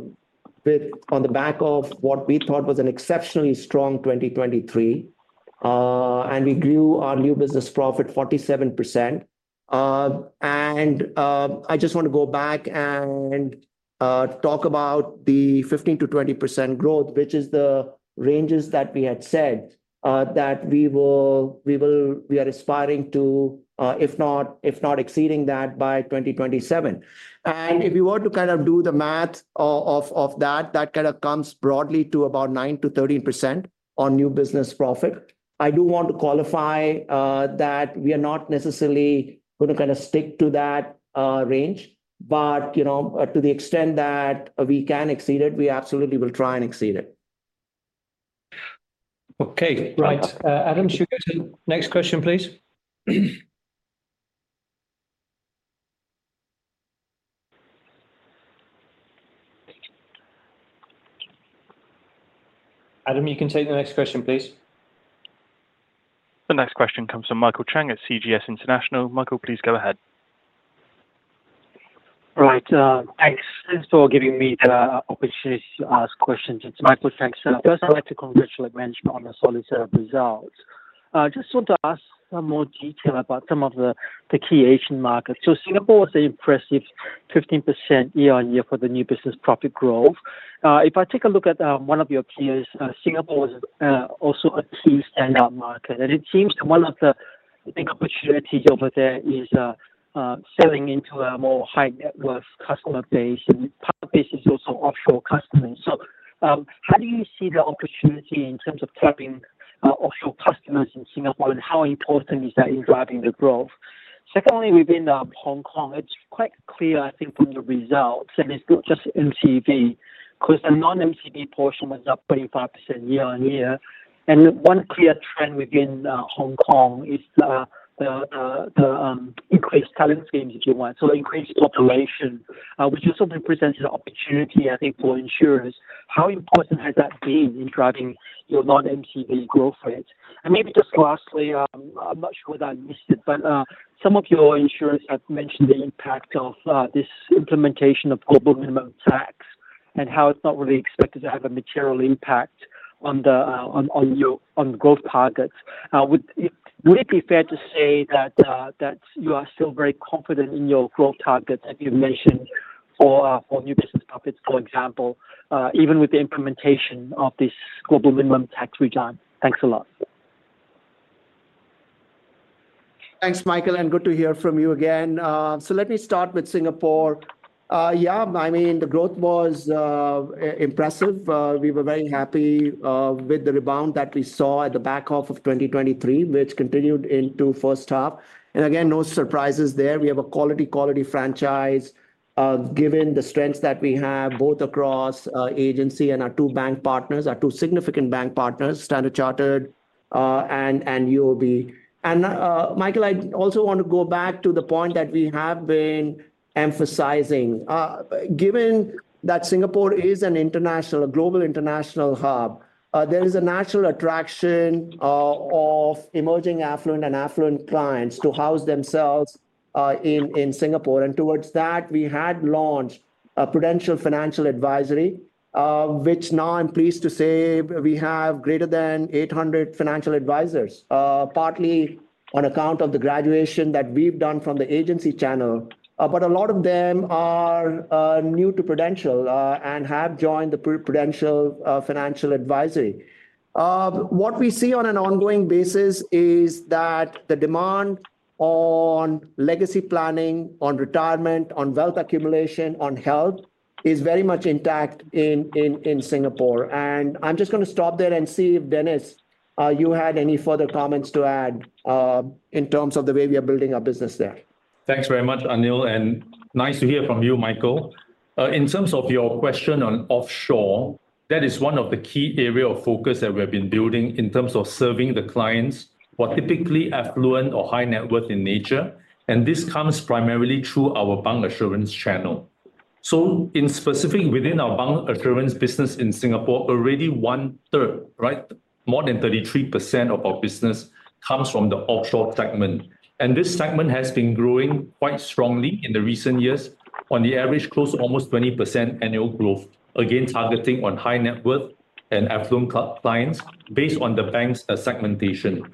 with on the back of what we thought was an exceptionally strong 2023. And we grew our new business profit 47%. And I just want to go back and talk about the 15%-20% growth, which is the ranges that we had said that we are aspiring to, if not exceeding that by 2027. And if you were to kind of do the math of that, that kind of comes broadly to about 9%-13% on new business profit. I do want to qualify that we are not necessarily going to kind of stick to that range, but you know, to the extent that we can exceed it, we absolutely will try and exceed it. Okay. Right. Adam, should we go to the next question, please? Adam, you can take the next question, please. The next question comes from Michael Chang at CGS International. Michael, please go ahead. Right. Thanks for giving me the opportunity to ask questions. It's Michael Chang. So first, I'd like to congratulate management on a solid set of results. Just want to ask some more detail about some of the key Asian markets. So Singapore was an impressive 15% year-on-year for the new business profit growth. If I take a look at one of your peers, Singapore was also a key standout market, and it seems one of the big opportunities over there is selling into a more high net worth customer base, and part of this is also offshore customers. So, how do you see the opportunity in terms of tapping offshore customers in Singapore, and how important is that in driving the growth? Secondly, within Hong Kong, it's quite clear, I think, from the results, and it's not just MCV, 'cause the non-MCV portion was up 25% year-on-year. And one clear trend within Hong Kong is the increased talent schemes, if you want, so increased population, which also presents an opportunity, I think, for insurers. How important has that been in driving your non-MCV growth rate? And maybe just lastly, I'm not sure whether I missed it, but some of your insurers have mentioned the impact of this implementation of global minimum tax and how it's not really expected to have a material impact on your growth targets. Would it be fair to say that you are still very confident in your growth targets that you've mentioned for new business profits, for example, even with the implementation of this global minimum tax regime? Thanks a lot. Thanks, Michael, and good to hear from you again. So let me start with Singapore. Yeah, I mean, the growth was impressive. We were very happy with the rebound that we saw at the back half of 2023, which continued into first half. And again, no surprises there. We have a quality franchise, given the strengths that we have both across Agency and our two bank partners, our two significant bank partners, Standard Chartered and UOB. And, Michael, I also want to go back to the point that we have been emphasizing. Given that Singapore is a global international hub, there is a natural attraction of emerging affluent and affluent clients to house themselves in Singapore. Towards that, we had launched a Prudential Financial Advisery, which now I'm pleased to say we have greater than 800 financial advisors, partly on account of the graduation that we've done from the Agency channel. But a lot of them are new to Prudential and have joined the Prudential Financial Advisery. What we see on an ongoing basis is that the demand on legacy planning, on retirement, on wealth accumulation, on health, is very much intact in Singapore. I'm just gonna stop there and see if, Dennis, you had any further comments to add in terms of the way we are building our business there. Thanks very much, Anil, and nice to hear from you, Michael. In terms of your question on offshore, that is one of the key area of focus that we've been building in terms of serving the clients who are typically affluent or high net worth in nature, and this comes primarily through our Bancassurance channel. So in specific, within our Bancassurance business in Singapore, already one-third, right? More than 33% of our business comes from the offshore segment, and this segment has been growing quite strongly in the recent years. On the average, close to almost 20% annual growth, again, targeting on high net worth and affluent clients based on the bank's segmentation.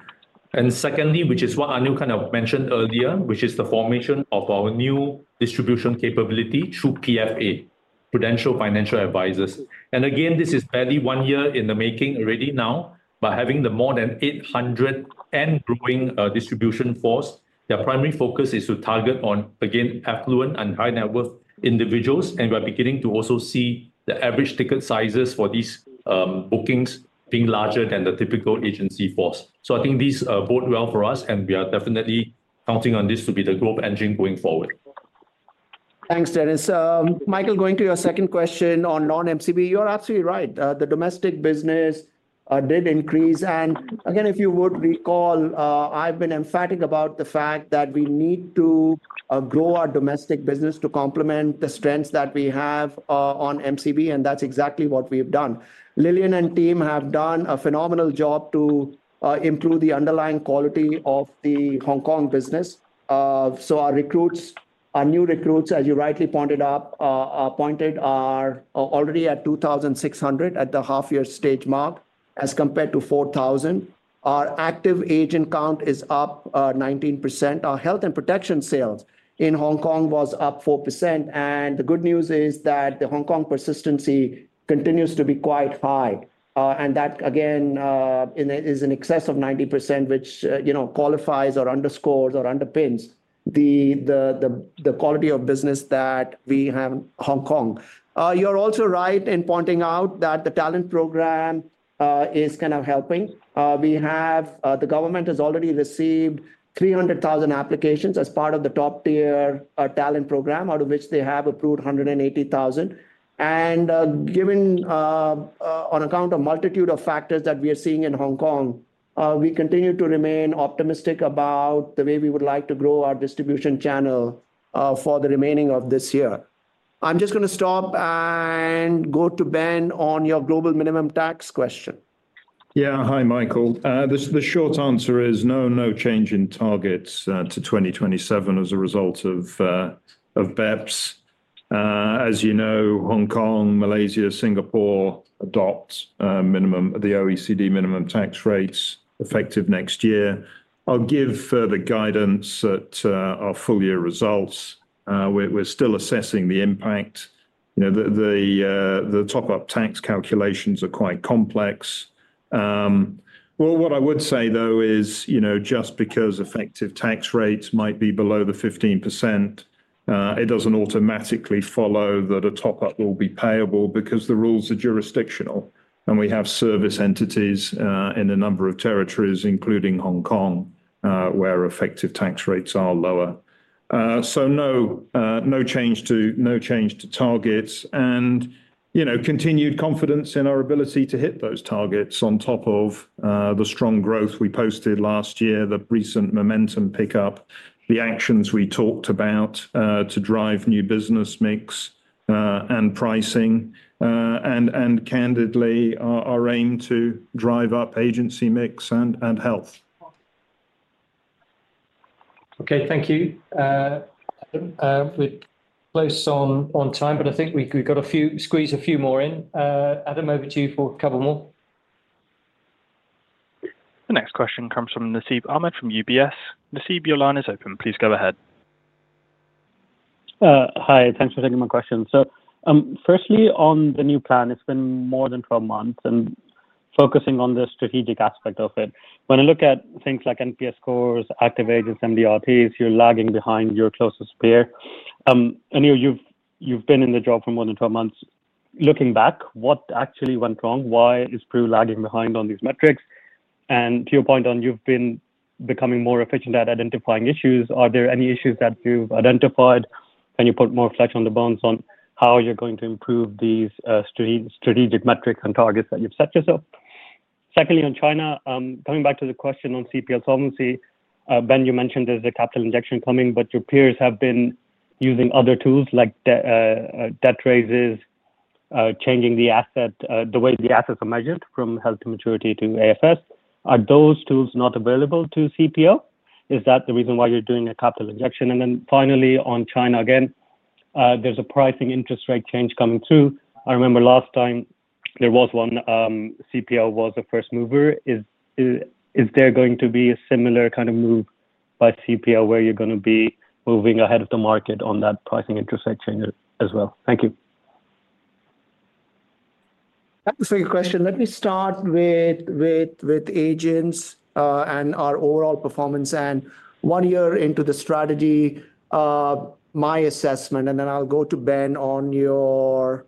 And secondly, which is what Anu kind of mentioned earlier, which is the formation of our new distribution capability through PFA, Prudential Financial Advisers. And again, this is barely one year in the making already now. By having more than 800 and growing distribution force, their primary focus is to target on, again, affluent and high net worth individuals, and we're beginning to also see the average ticket sizes for these bookings being larger than the typical agency force. So I think these bode well for us, and we are definitely counting on this to be the growth engine going forward. Thanks, Dennis. Michael, going to your second question on non-MCV, you're absolutely right. The domestic business did increase, and again, if you would recall, I've been emphatic about the fact that we need to grow our Domestic business to complement the strengths that we have on MCV, and that's exactly what we have done. Lilian and team have done a phenomenal job to improve the underlying quality of the Hong Kong business. So our recruits, our new recruits, as you rightly pointed out, are already at 2,600 at the half year stage mark, as compared to 4,000. Our active agent count is up 19%. Our Health and Protection sales in Hong Kong was up 4%, and the good news is that the Hong Kong persistency continues to be quite high. And that again, and it is in excess of 90%, which, you know, qualifies or underscores or underpins the quality of business that we have in Hong Kong. You're also right in pointing out that the talent program is kind of helping. We have... The government has already received 300,000 applications as part of the top-tier talent program, out of which they have approved 180,000. And, given, on account of multitude of factors that we are seeing in Hong Kong, we continue to remain optimistic about the way we would like to grow our distribution channel for the remaining of this year. I'm just gonna stop and go to Ben on your global minimum tax question. Yeah. Hi, Michael. The short answer is no, no change in targets to 2024 as a result of BEPS. As you know, Hong Kong, Malaysia, Singapore adopt the OECD minimum tax rates, effective next year. I'll give further guidance at our full year results. We're still assessing the impact. You know, the top-up tax calculations are quite complex. Well, what I would say, though, is, you know, just because effective tax rates might be below the 15%, it doesn't automatically follow that a top-up will be payable, because the rules are jurisdictional, and we have service entities in a number of territories, including Hong Kong, where effective tax rates are lower. So, no change to targets and, you know, continued confidence in our ability to hit those targets on top of the strong growth we posted last year, the recent momentum pickup, the actions we talked about to drive new business mix and pricing, and candidly, our aim to drive up agency mix and health. Okay, thank you. We're close on time, but I think we've got a few... squeeze a few more in. Adam, over to you for a couple more. The next question comes from Nasib Ahmed from UBS. Nasib, your line is open. Please go ahead. Hi, thanks for taking my question. So, firstly, on the new plan, it's been more than 12 months, and focusing on the strategic aspect of it. When I look at things like NPS scores, active agents, MDRTs, you're lagging behind your closest peer. I know you've been in the job for more than twelve months. Looking back, what actually went wrong? Why is Pru lagging behind on these metrics? And to your point on you've been becoming more efficient at identifying issues, are there any issues that you've identified, can you put more flesh on the bones on how you're going to improve these, strategic metrics and targets that you've set yourself? Secondly, on China, coming back to the question on CPL solvency, Ben, you mentioned there's a capital injection coming, but your peers have been using other tools, like debt raises, changing the asset, the way the assets are measured from held to maturity to AFS. Are those tools not available to CPL? Is that the reason why you're doing a capital injection? And then finally, on China, again, there's a pricing interest rate change coming too. I remember last time there was one, CPL was the first mover. Is there going to be a similar kind of move by CPL, where you're gonna be moving ahead of the market on that pricing interest rate change as well? Thank you. That's a great question. Let me start with agents and our overall performance, and one year into the strategy, my assessment, and then I'll go to Ben on your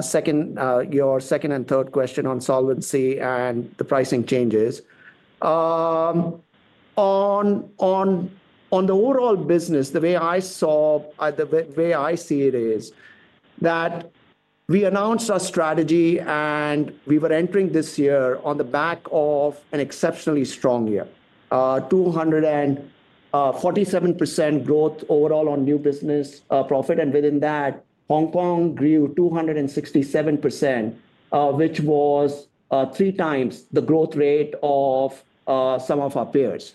second and third question on solvency and the pricing changes. On the overall business, the way I see it is that we announced our strategy, and we were entering this year on the back of an exceptionally strong year. 247% growth overall on new business profit, and within that, Hong Kong grew 267%, which was 3x the growth rate of some of our peers.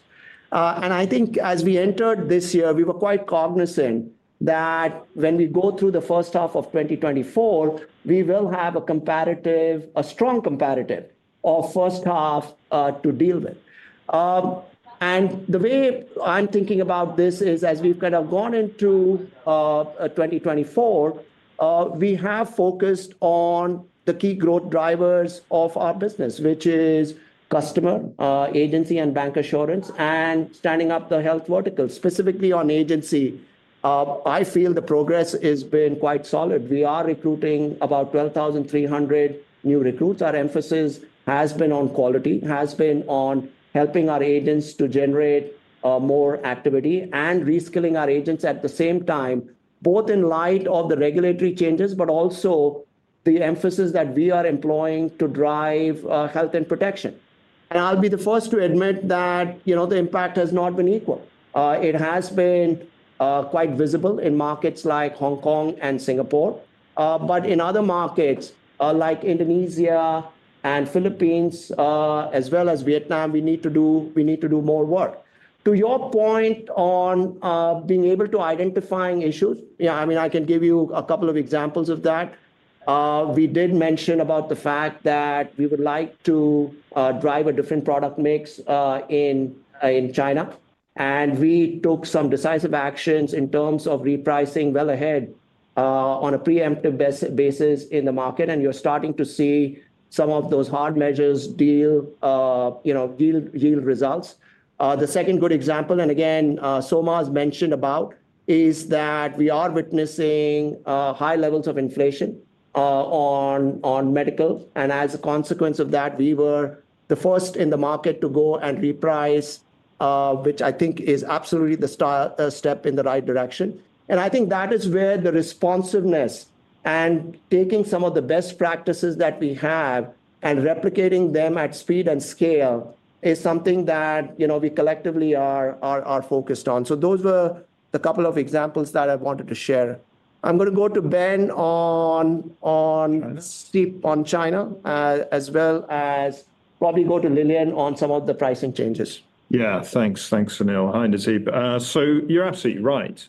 And I think as we entered this year, we were quite cognizant that when we go through the first half of 2024, we will have a competitive, a strong competitive of first half, to deal with. And the way I'm thinking about this is, as we've kind of gone into, 2024, we have focused on the key growth drivers of our business, which is customer, agency, and Bancassurance, and standing up the health vertical. Specifically on agency, I feel the progress has been quite solid. We are recruiting about 12,300 new recruits. Our emphasis has been on quality, has been on helping our agents to generate more activity and reskilling our agents at the same time, both in light of the regulatory changes, but also the emphasis that we are employing to drive Health and Protection. And I'll be the first to admit that, you know, the impact has not been equal. It has been quite visible in markets like Hong Kong and Singapore, but in other markets, like Indonesia and Philippines, as well as Vietnam, we need to do, we need to do more work. To your point on being able to identifying issues, yeah, I mean, I can give you a couple of examples of that. We did mention about the fact that we would like to drive a different product mix in China, and we took some decisive actions in terms of repricing well ahead on a preemptive basis in the market, and you're starting to see some of those hard measures, you know, the results. The second good example, and again, Solmaz has mentioned about, is that we are witnessing high levels of inflation on medical. And as a consequence of that, we were the first in the market to go and reprice, which I think is absolutely the step in the right direction. I think that is where the responsiveness and taking some of the best practices that we have and replicating them at speed and scale is something that, you know, we collectively are focused on. Those were the couple of examples that I wanted to share. I'm going to go to Ben on China as well as probably go to Lilian on some of the pricing changes. Yeah. Thanks. Thanks, Anil. Hi, Nasib. So you're absolutely right.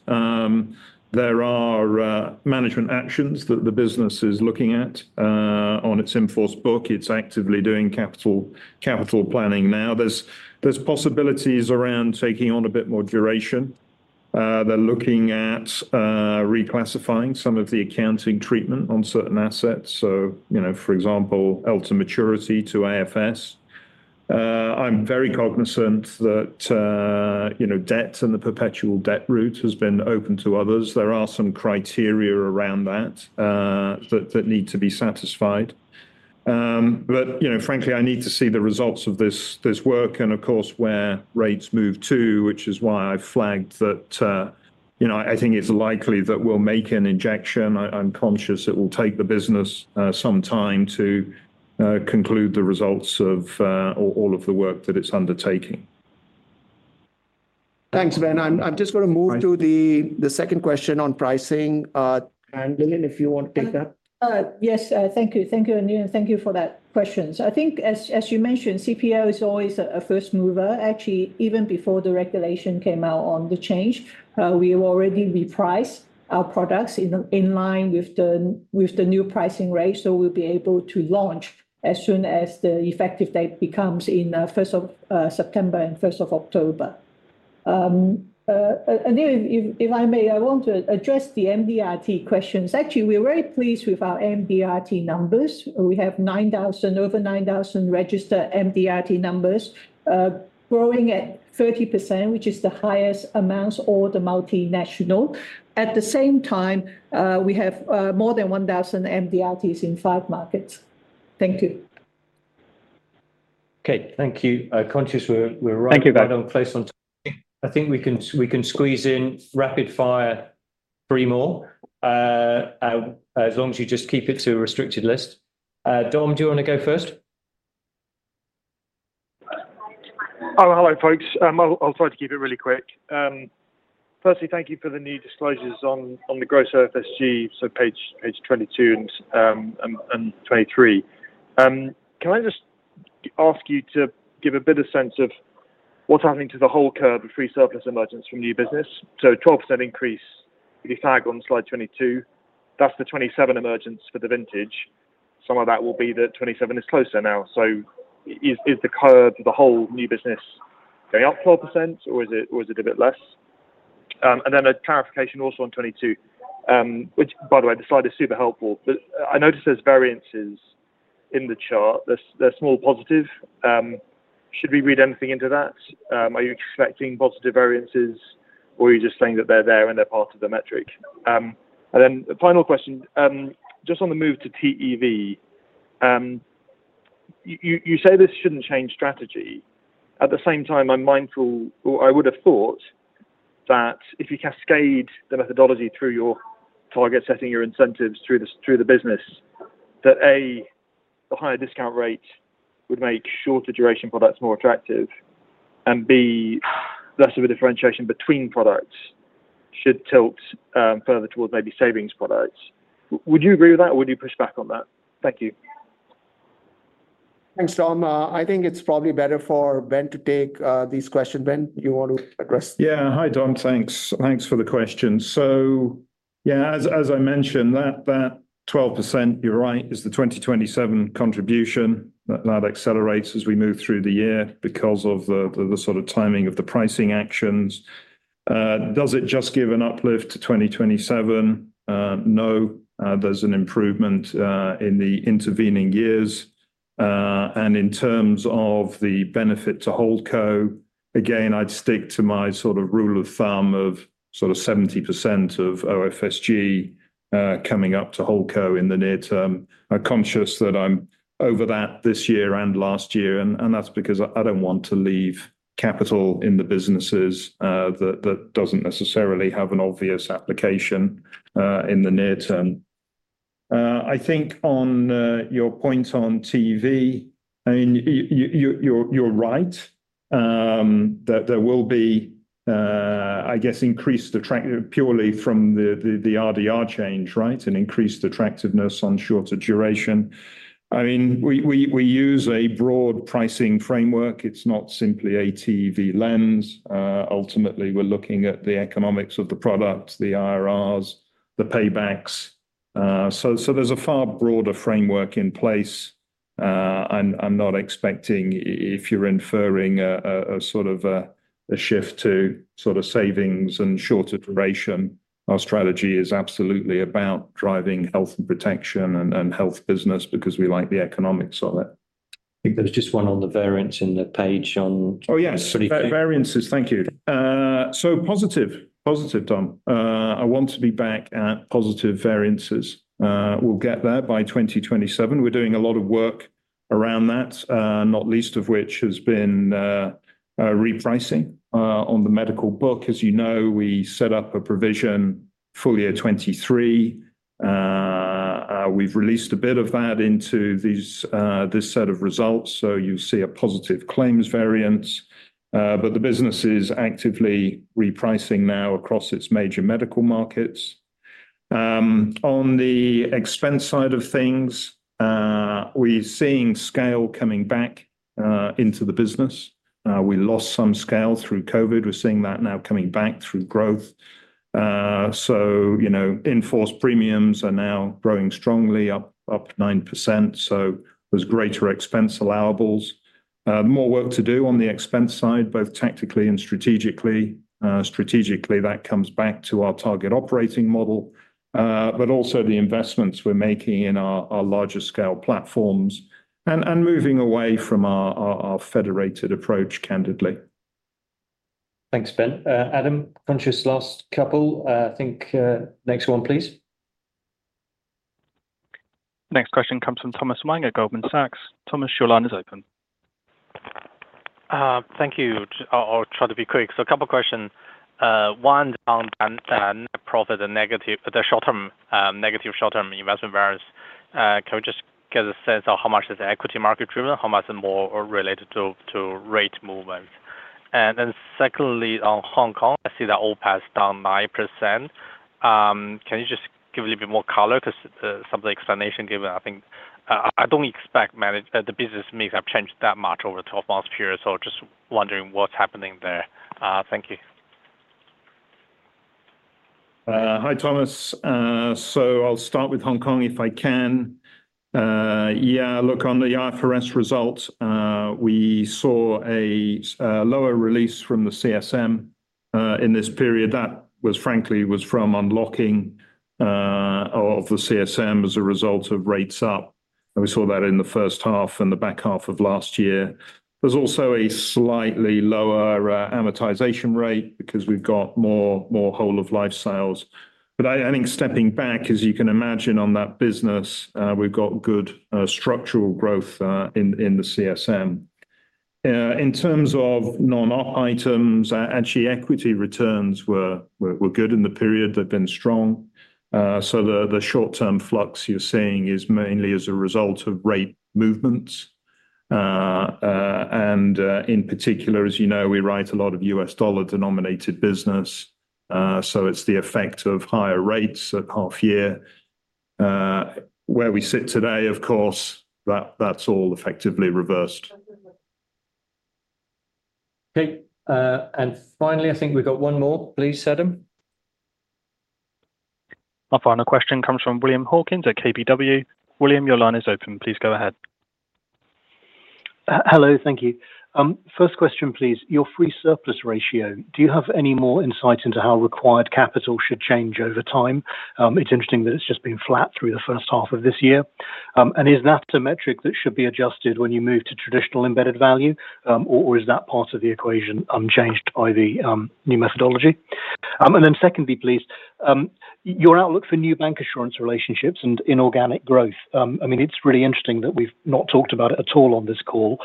There are management actions that the business is looking at on its in-force book. It's actively doing capital planning now. There are possibilities around taking on a bit more duration. They're looking at reclassifying some of the accounting treatment on certain assets. So, you know, for example, held-to-maturity to AFS. I'm very cognizant that, you know, debt and the perpetual debt route has been open to others. There are some criteria around that that need to be satisfied. But, you know, frankly, I need to see the results of this work, and of course, where rates move to, which is why I flagged that, you know, I think it's likely that we'll make an injection. I'm conscious it will take the business some time to conclude the results of all of the work that it's undertaking. Thanks, Ben. I'm just going to move to the second question on pricing, and Lilian, if you want to take that. Yes, thank you. Thank you, Anil. Thank you for that question. So I think as you mentioned, CPL is always a first mover. Actually, even before the regulation came out on the change, we already repriced our products in line with the new pricing rate. So we'll be able to launch as soon as the effective date becomes in force first of September and first of October. And if I may, I want to address the MDRT questions. Actually, we're very pleased with our MDRT numbers. We have 9,000, over 9,000 registered MDRT numbers, growing at 30%, which is the highest amongst the multinationals. At the same time, we have more than 1,000 MDRTs in five markets. Thank you. Okay, thank you. Conscious, we're right close on time. I think we can, we can squeeze in rapid fire, three more, as long as you just keep it to a restricted list. Dom, do you want to go first? Oh, hello, folks. I'll try to keep it really quick. Firstly, thank you for the new disclosures on the gross OFSG, so page 22 and 23. Can I just ask you to give a bit of sense of what's happening to the whole curve of free surplus emergence from new business? A 12% increase, if you turn to slide 22, that's the 2027 emergence for the vintage. Some of that will be the 2027 is closer now. Is the curve for the whole new business going up 12%, or is it a bit less? And then a clarification also on 22, which, by the way, the slide is super helpful. But I noticed there's variances in the chart. They're small positive. Should we read anything into that? Are you expecting positive variances, or are you just saying that they're there and they're part of the metric? And then the final question, just on the move to TEV, you say this shouldn't change strategy. At the same time, I'm mindful, or I would have thought, that if you cascade the methodology through your target setting, your incentives through the business, that, A, the higher discount rate would make shorter duration products more attractive, and B, less of a differentiation between products should tilt further towards maybe savings products. Would you agree with that, or would you push back on that? Thank you. Thanks, Dom. I think it's probably better for Ben to take these questions. Ben, do you want to address? Yeah. Hi, Dom. Thanks. Thanks for the question. So yeah, as I mentioned, that twelve percent, you're right, is the 2027 contribution, that accelerates as we move through the year because of the sort of timing of the pricing actions. Does it just give an uplift to 2027? No, there's an improvement in the intervening years. And in terms of the benefit to HoldCo, again, I'd stick to my sort of rule of thumb of sort of 70% of OFSG coming up to HoldCo in the near term. I'm conscious that I'm over that this year and last year, and that's because I don't want to leave capital in the businesses that doesn't necessarily have an obvious application in the near term. I think on your point on TEV, I mean, you're right, that there will be, I guess, increased attractiveness purely from the RDR change, right? An increased attractiveness on shorter duration. I mean, we use a broad pricing framework. It's not simply a TEV lens. Ultimately, we're looking at the economics of the product, the IRRs, the paybacks. So there's a far broader framework in place. I'm not expecting if you're inferring a sort of a shift to sort of savings and shorter duration, our strategy is absolutely about driving Health and Protection and Health business because we like the economics of it. I think there's just one on the variance in the page on- Oh, yes. Pretty quick. Variances, thank you. So positive, positive, Dom. I want to be back at positive variances. We'll get there by 2027. We're doing a lot of work around that, not least of which has been repricing on the medical book. As you know, we set up a provision full year 2023. We've released a bit of that into these, this set of results, so you see a positive claims variance. But the business is actively repricing now across its major medical markets. On the expense side of things, we're seeing scale coming back into the business. We lost some scale through COVID. We're seeing that now coming back through growth. So, you know, in-force premiums are now growing strongly, up 9%, so there's greater expense allowables. More work to do on the expense side, both tactically and strategically. Strategically, that comes back to our target operating model, but also the investments we're making in our larger scale platforms, and moving away from our federated approach, candidly. Thanks, Ben. Adam, next question, please. Next question comes from Thomas Wang at Goldman Sachs. Thomas, your line is open. Thank you. I'll try to be quick. So a couple questions. One, on net profit and the negative short-term investment variance. Can we just get a sense of how much is the equity market driven? How much is more related to rate movement? And then secondly, on Hong Kong, I see the OPAT down 9%. Can you just give a little bit more color? 'Cause some of the explanation given, I think, I don't expect the business mix have changed that much over the twelve-month period, so just wondering what's happening there. Thank you. Hi, Thomas. So I'll start with Hong Kong, if I can. Yeah, look, on the IFRS results, we saw a lower release from the CSM in this period. That was frankly from unlocking of the CSM as a result of rates up, and we saw that in the first half and the back half of last year. There's also a slightly lower amortization rate because we've got more whole of life sales. But I think stepping back, as you can imagine on that business, we've got good structural growth in the CSM. In terms of non-op items, actually, equity returns were good in the period. They've been strong. So the short-term flux you're seeing is mainly as a result of rate movements. In particular, as you know, we write a lot of U.S. dollar-denominated business, so it's the effect of higher rates at half year. Where we sit today, of course, that's all effectively reversed. Okay, and finally, I think we've got one more. Please, Adam. Our final question comes from William Hawkins at KBW. William, your line is open. Please go ahead. Hello, thank you. First question, please. Your free surplus ratio, do you have any more insight into how required capital should change over time? It's interesting that it's just been flat through the first half of this year. Is that a metric that should be adjusted when you move to traditional embedded value, or is that part of the equation unchanged by the new methodology? Secondly, please, your outlook for new bancassurance relationships and inorganic growth. I mean, it's really interesting that we've not talked about it at all on this call.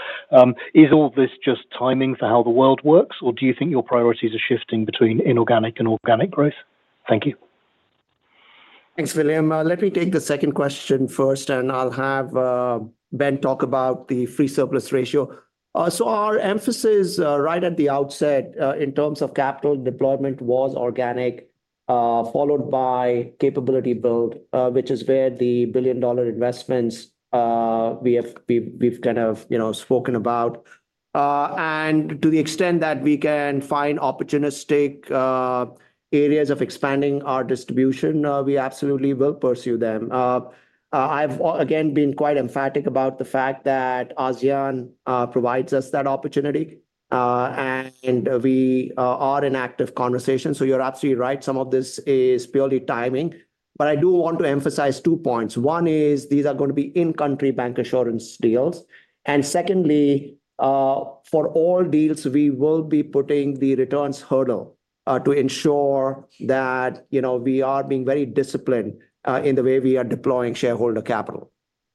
Is all this just timing for how the world works, or do you think your priorities are shifting between inorganic and organic growth? Thank you. Thanks, William. Let me take the second question first, and I'll have Ben talk about the free surplus ratio. So our emphasis right at the outset in terms of capital deployment was organic, followed by capability build, which is where the billion-dollar investments we've kind of, you know, spoken about. And to the extent that we can find opportunistic areas of expanding our distribution, we absolutely will pursue them. I've again been quite emphatic about the fact that ASEAN provides us that opportunity, and we are in active conversation. So you're absolutely right, some of this is purely timing. But I do want to emphasize two points. One is these are going to be in-country Bancassurance deals, and secondly, for all deals, we will be putting the returns hurdle, to ensure that, you know, we are being very disciplined, in the way we are deploying shareholder capital.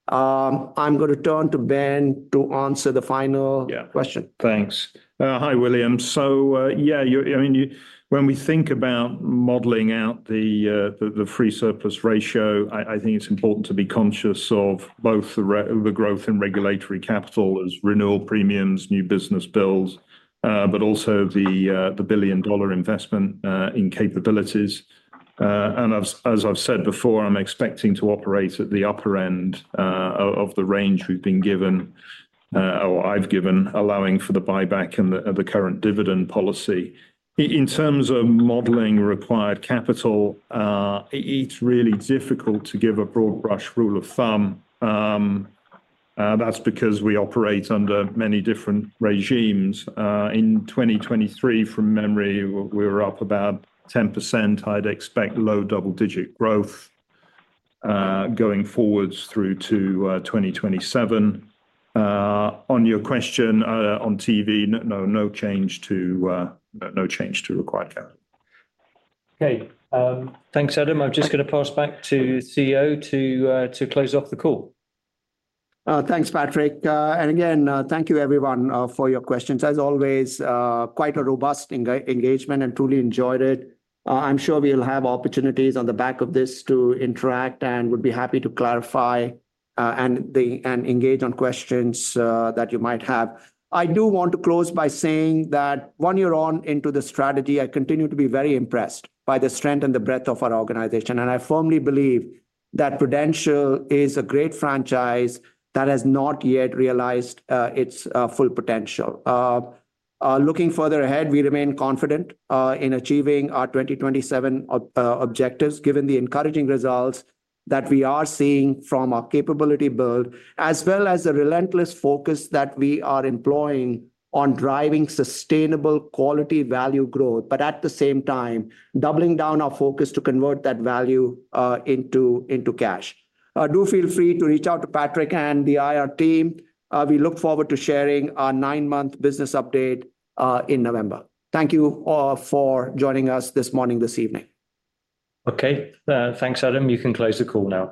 I'm gonna turn to Ben to answer the final question. Thanks. Hi, William. So, yeah, you, I mean, you. When we think about modeling out the free surplus ratio, I think it's important to be conscious of both the growth in regulatory capital as renewal premiums, new business builds, but also the billion-dollar investment in capabilities, and as I've said before, I'm expecting to operate at the upper end of the range we've been given, or I've given, allowing for the buyback and the current dividend policy. In terms of modeling required capital, it's really difficult to give a broad brush rule of thumb. That's because we operate under many different regimes. In 2023, from memory, we were up about 10%. I'd expect low double-digit growth going forwards through to 2027. On your question on TEV, no change to required capital. Okay. Thanks, Adam. I'm just gonna pass back to CEO to close off the call. Thanks, Patrick. And again, thank you everyone for your questions. As always, quite a robust engagement and truly enjoyed it. I'm sure we'll have opportunities on the back of this to interact and would be happy to clarify and engage on questions that you might have. I do want to close by saying that one year on into the strategy, I continue to be very impressed by the strength and the breadth of our organization, and I firmly believe that Prudential is a great franchise that has not yet realized its full potential. Looking further ahead, we remain confident in achieving our 2027 objectives, given the encouraging results that we are seeing from our capability build, as well as the relentless focus that we are employing on driving sustainable quality value growth, but at the same time, doubling down our focus to convert that value into cash. Do feel free to reach out to Patrick and the IR team. We look forward to sharing our nine-month business update in November. Thank you for joining us this morning, this evening. Okay. Thanks, Adam. You can close the call now.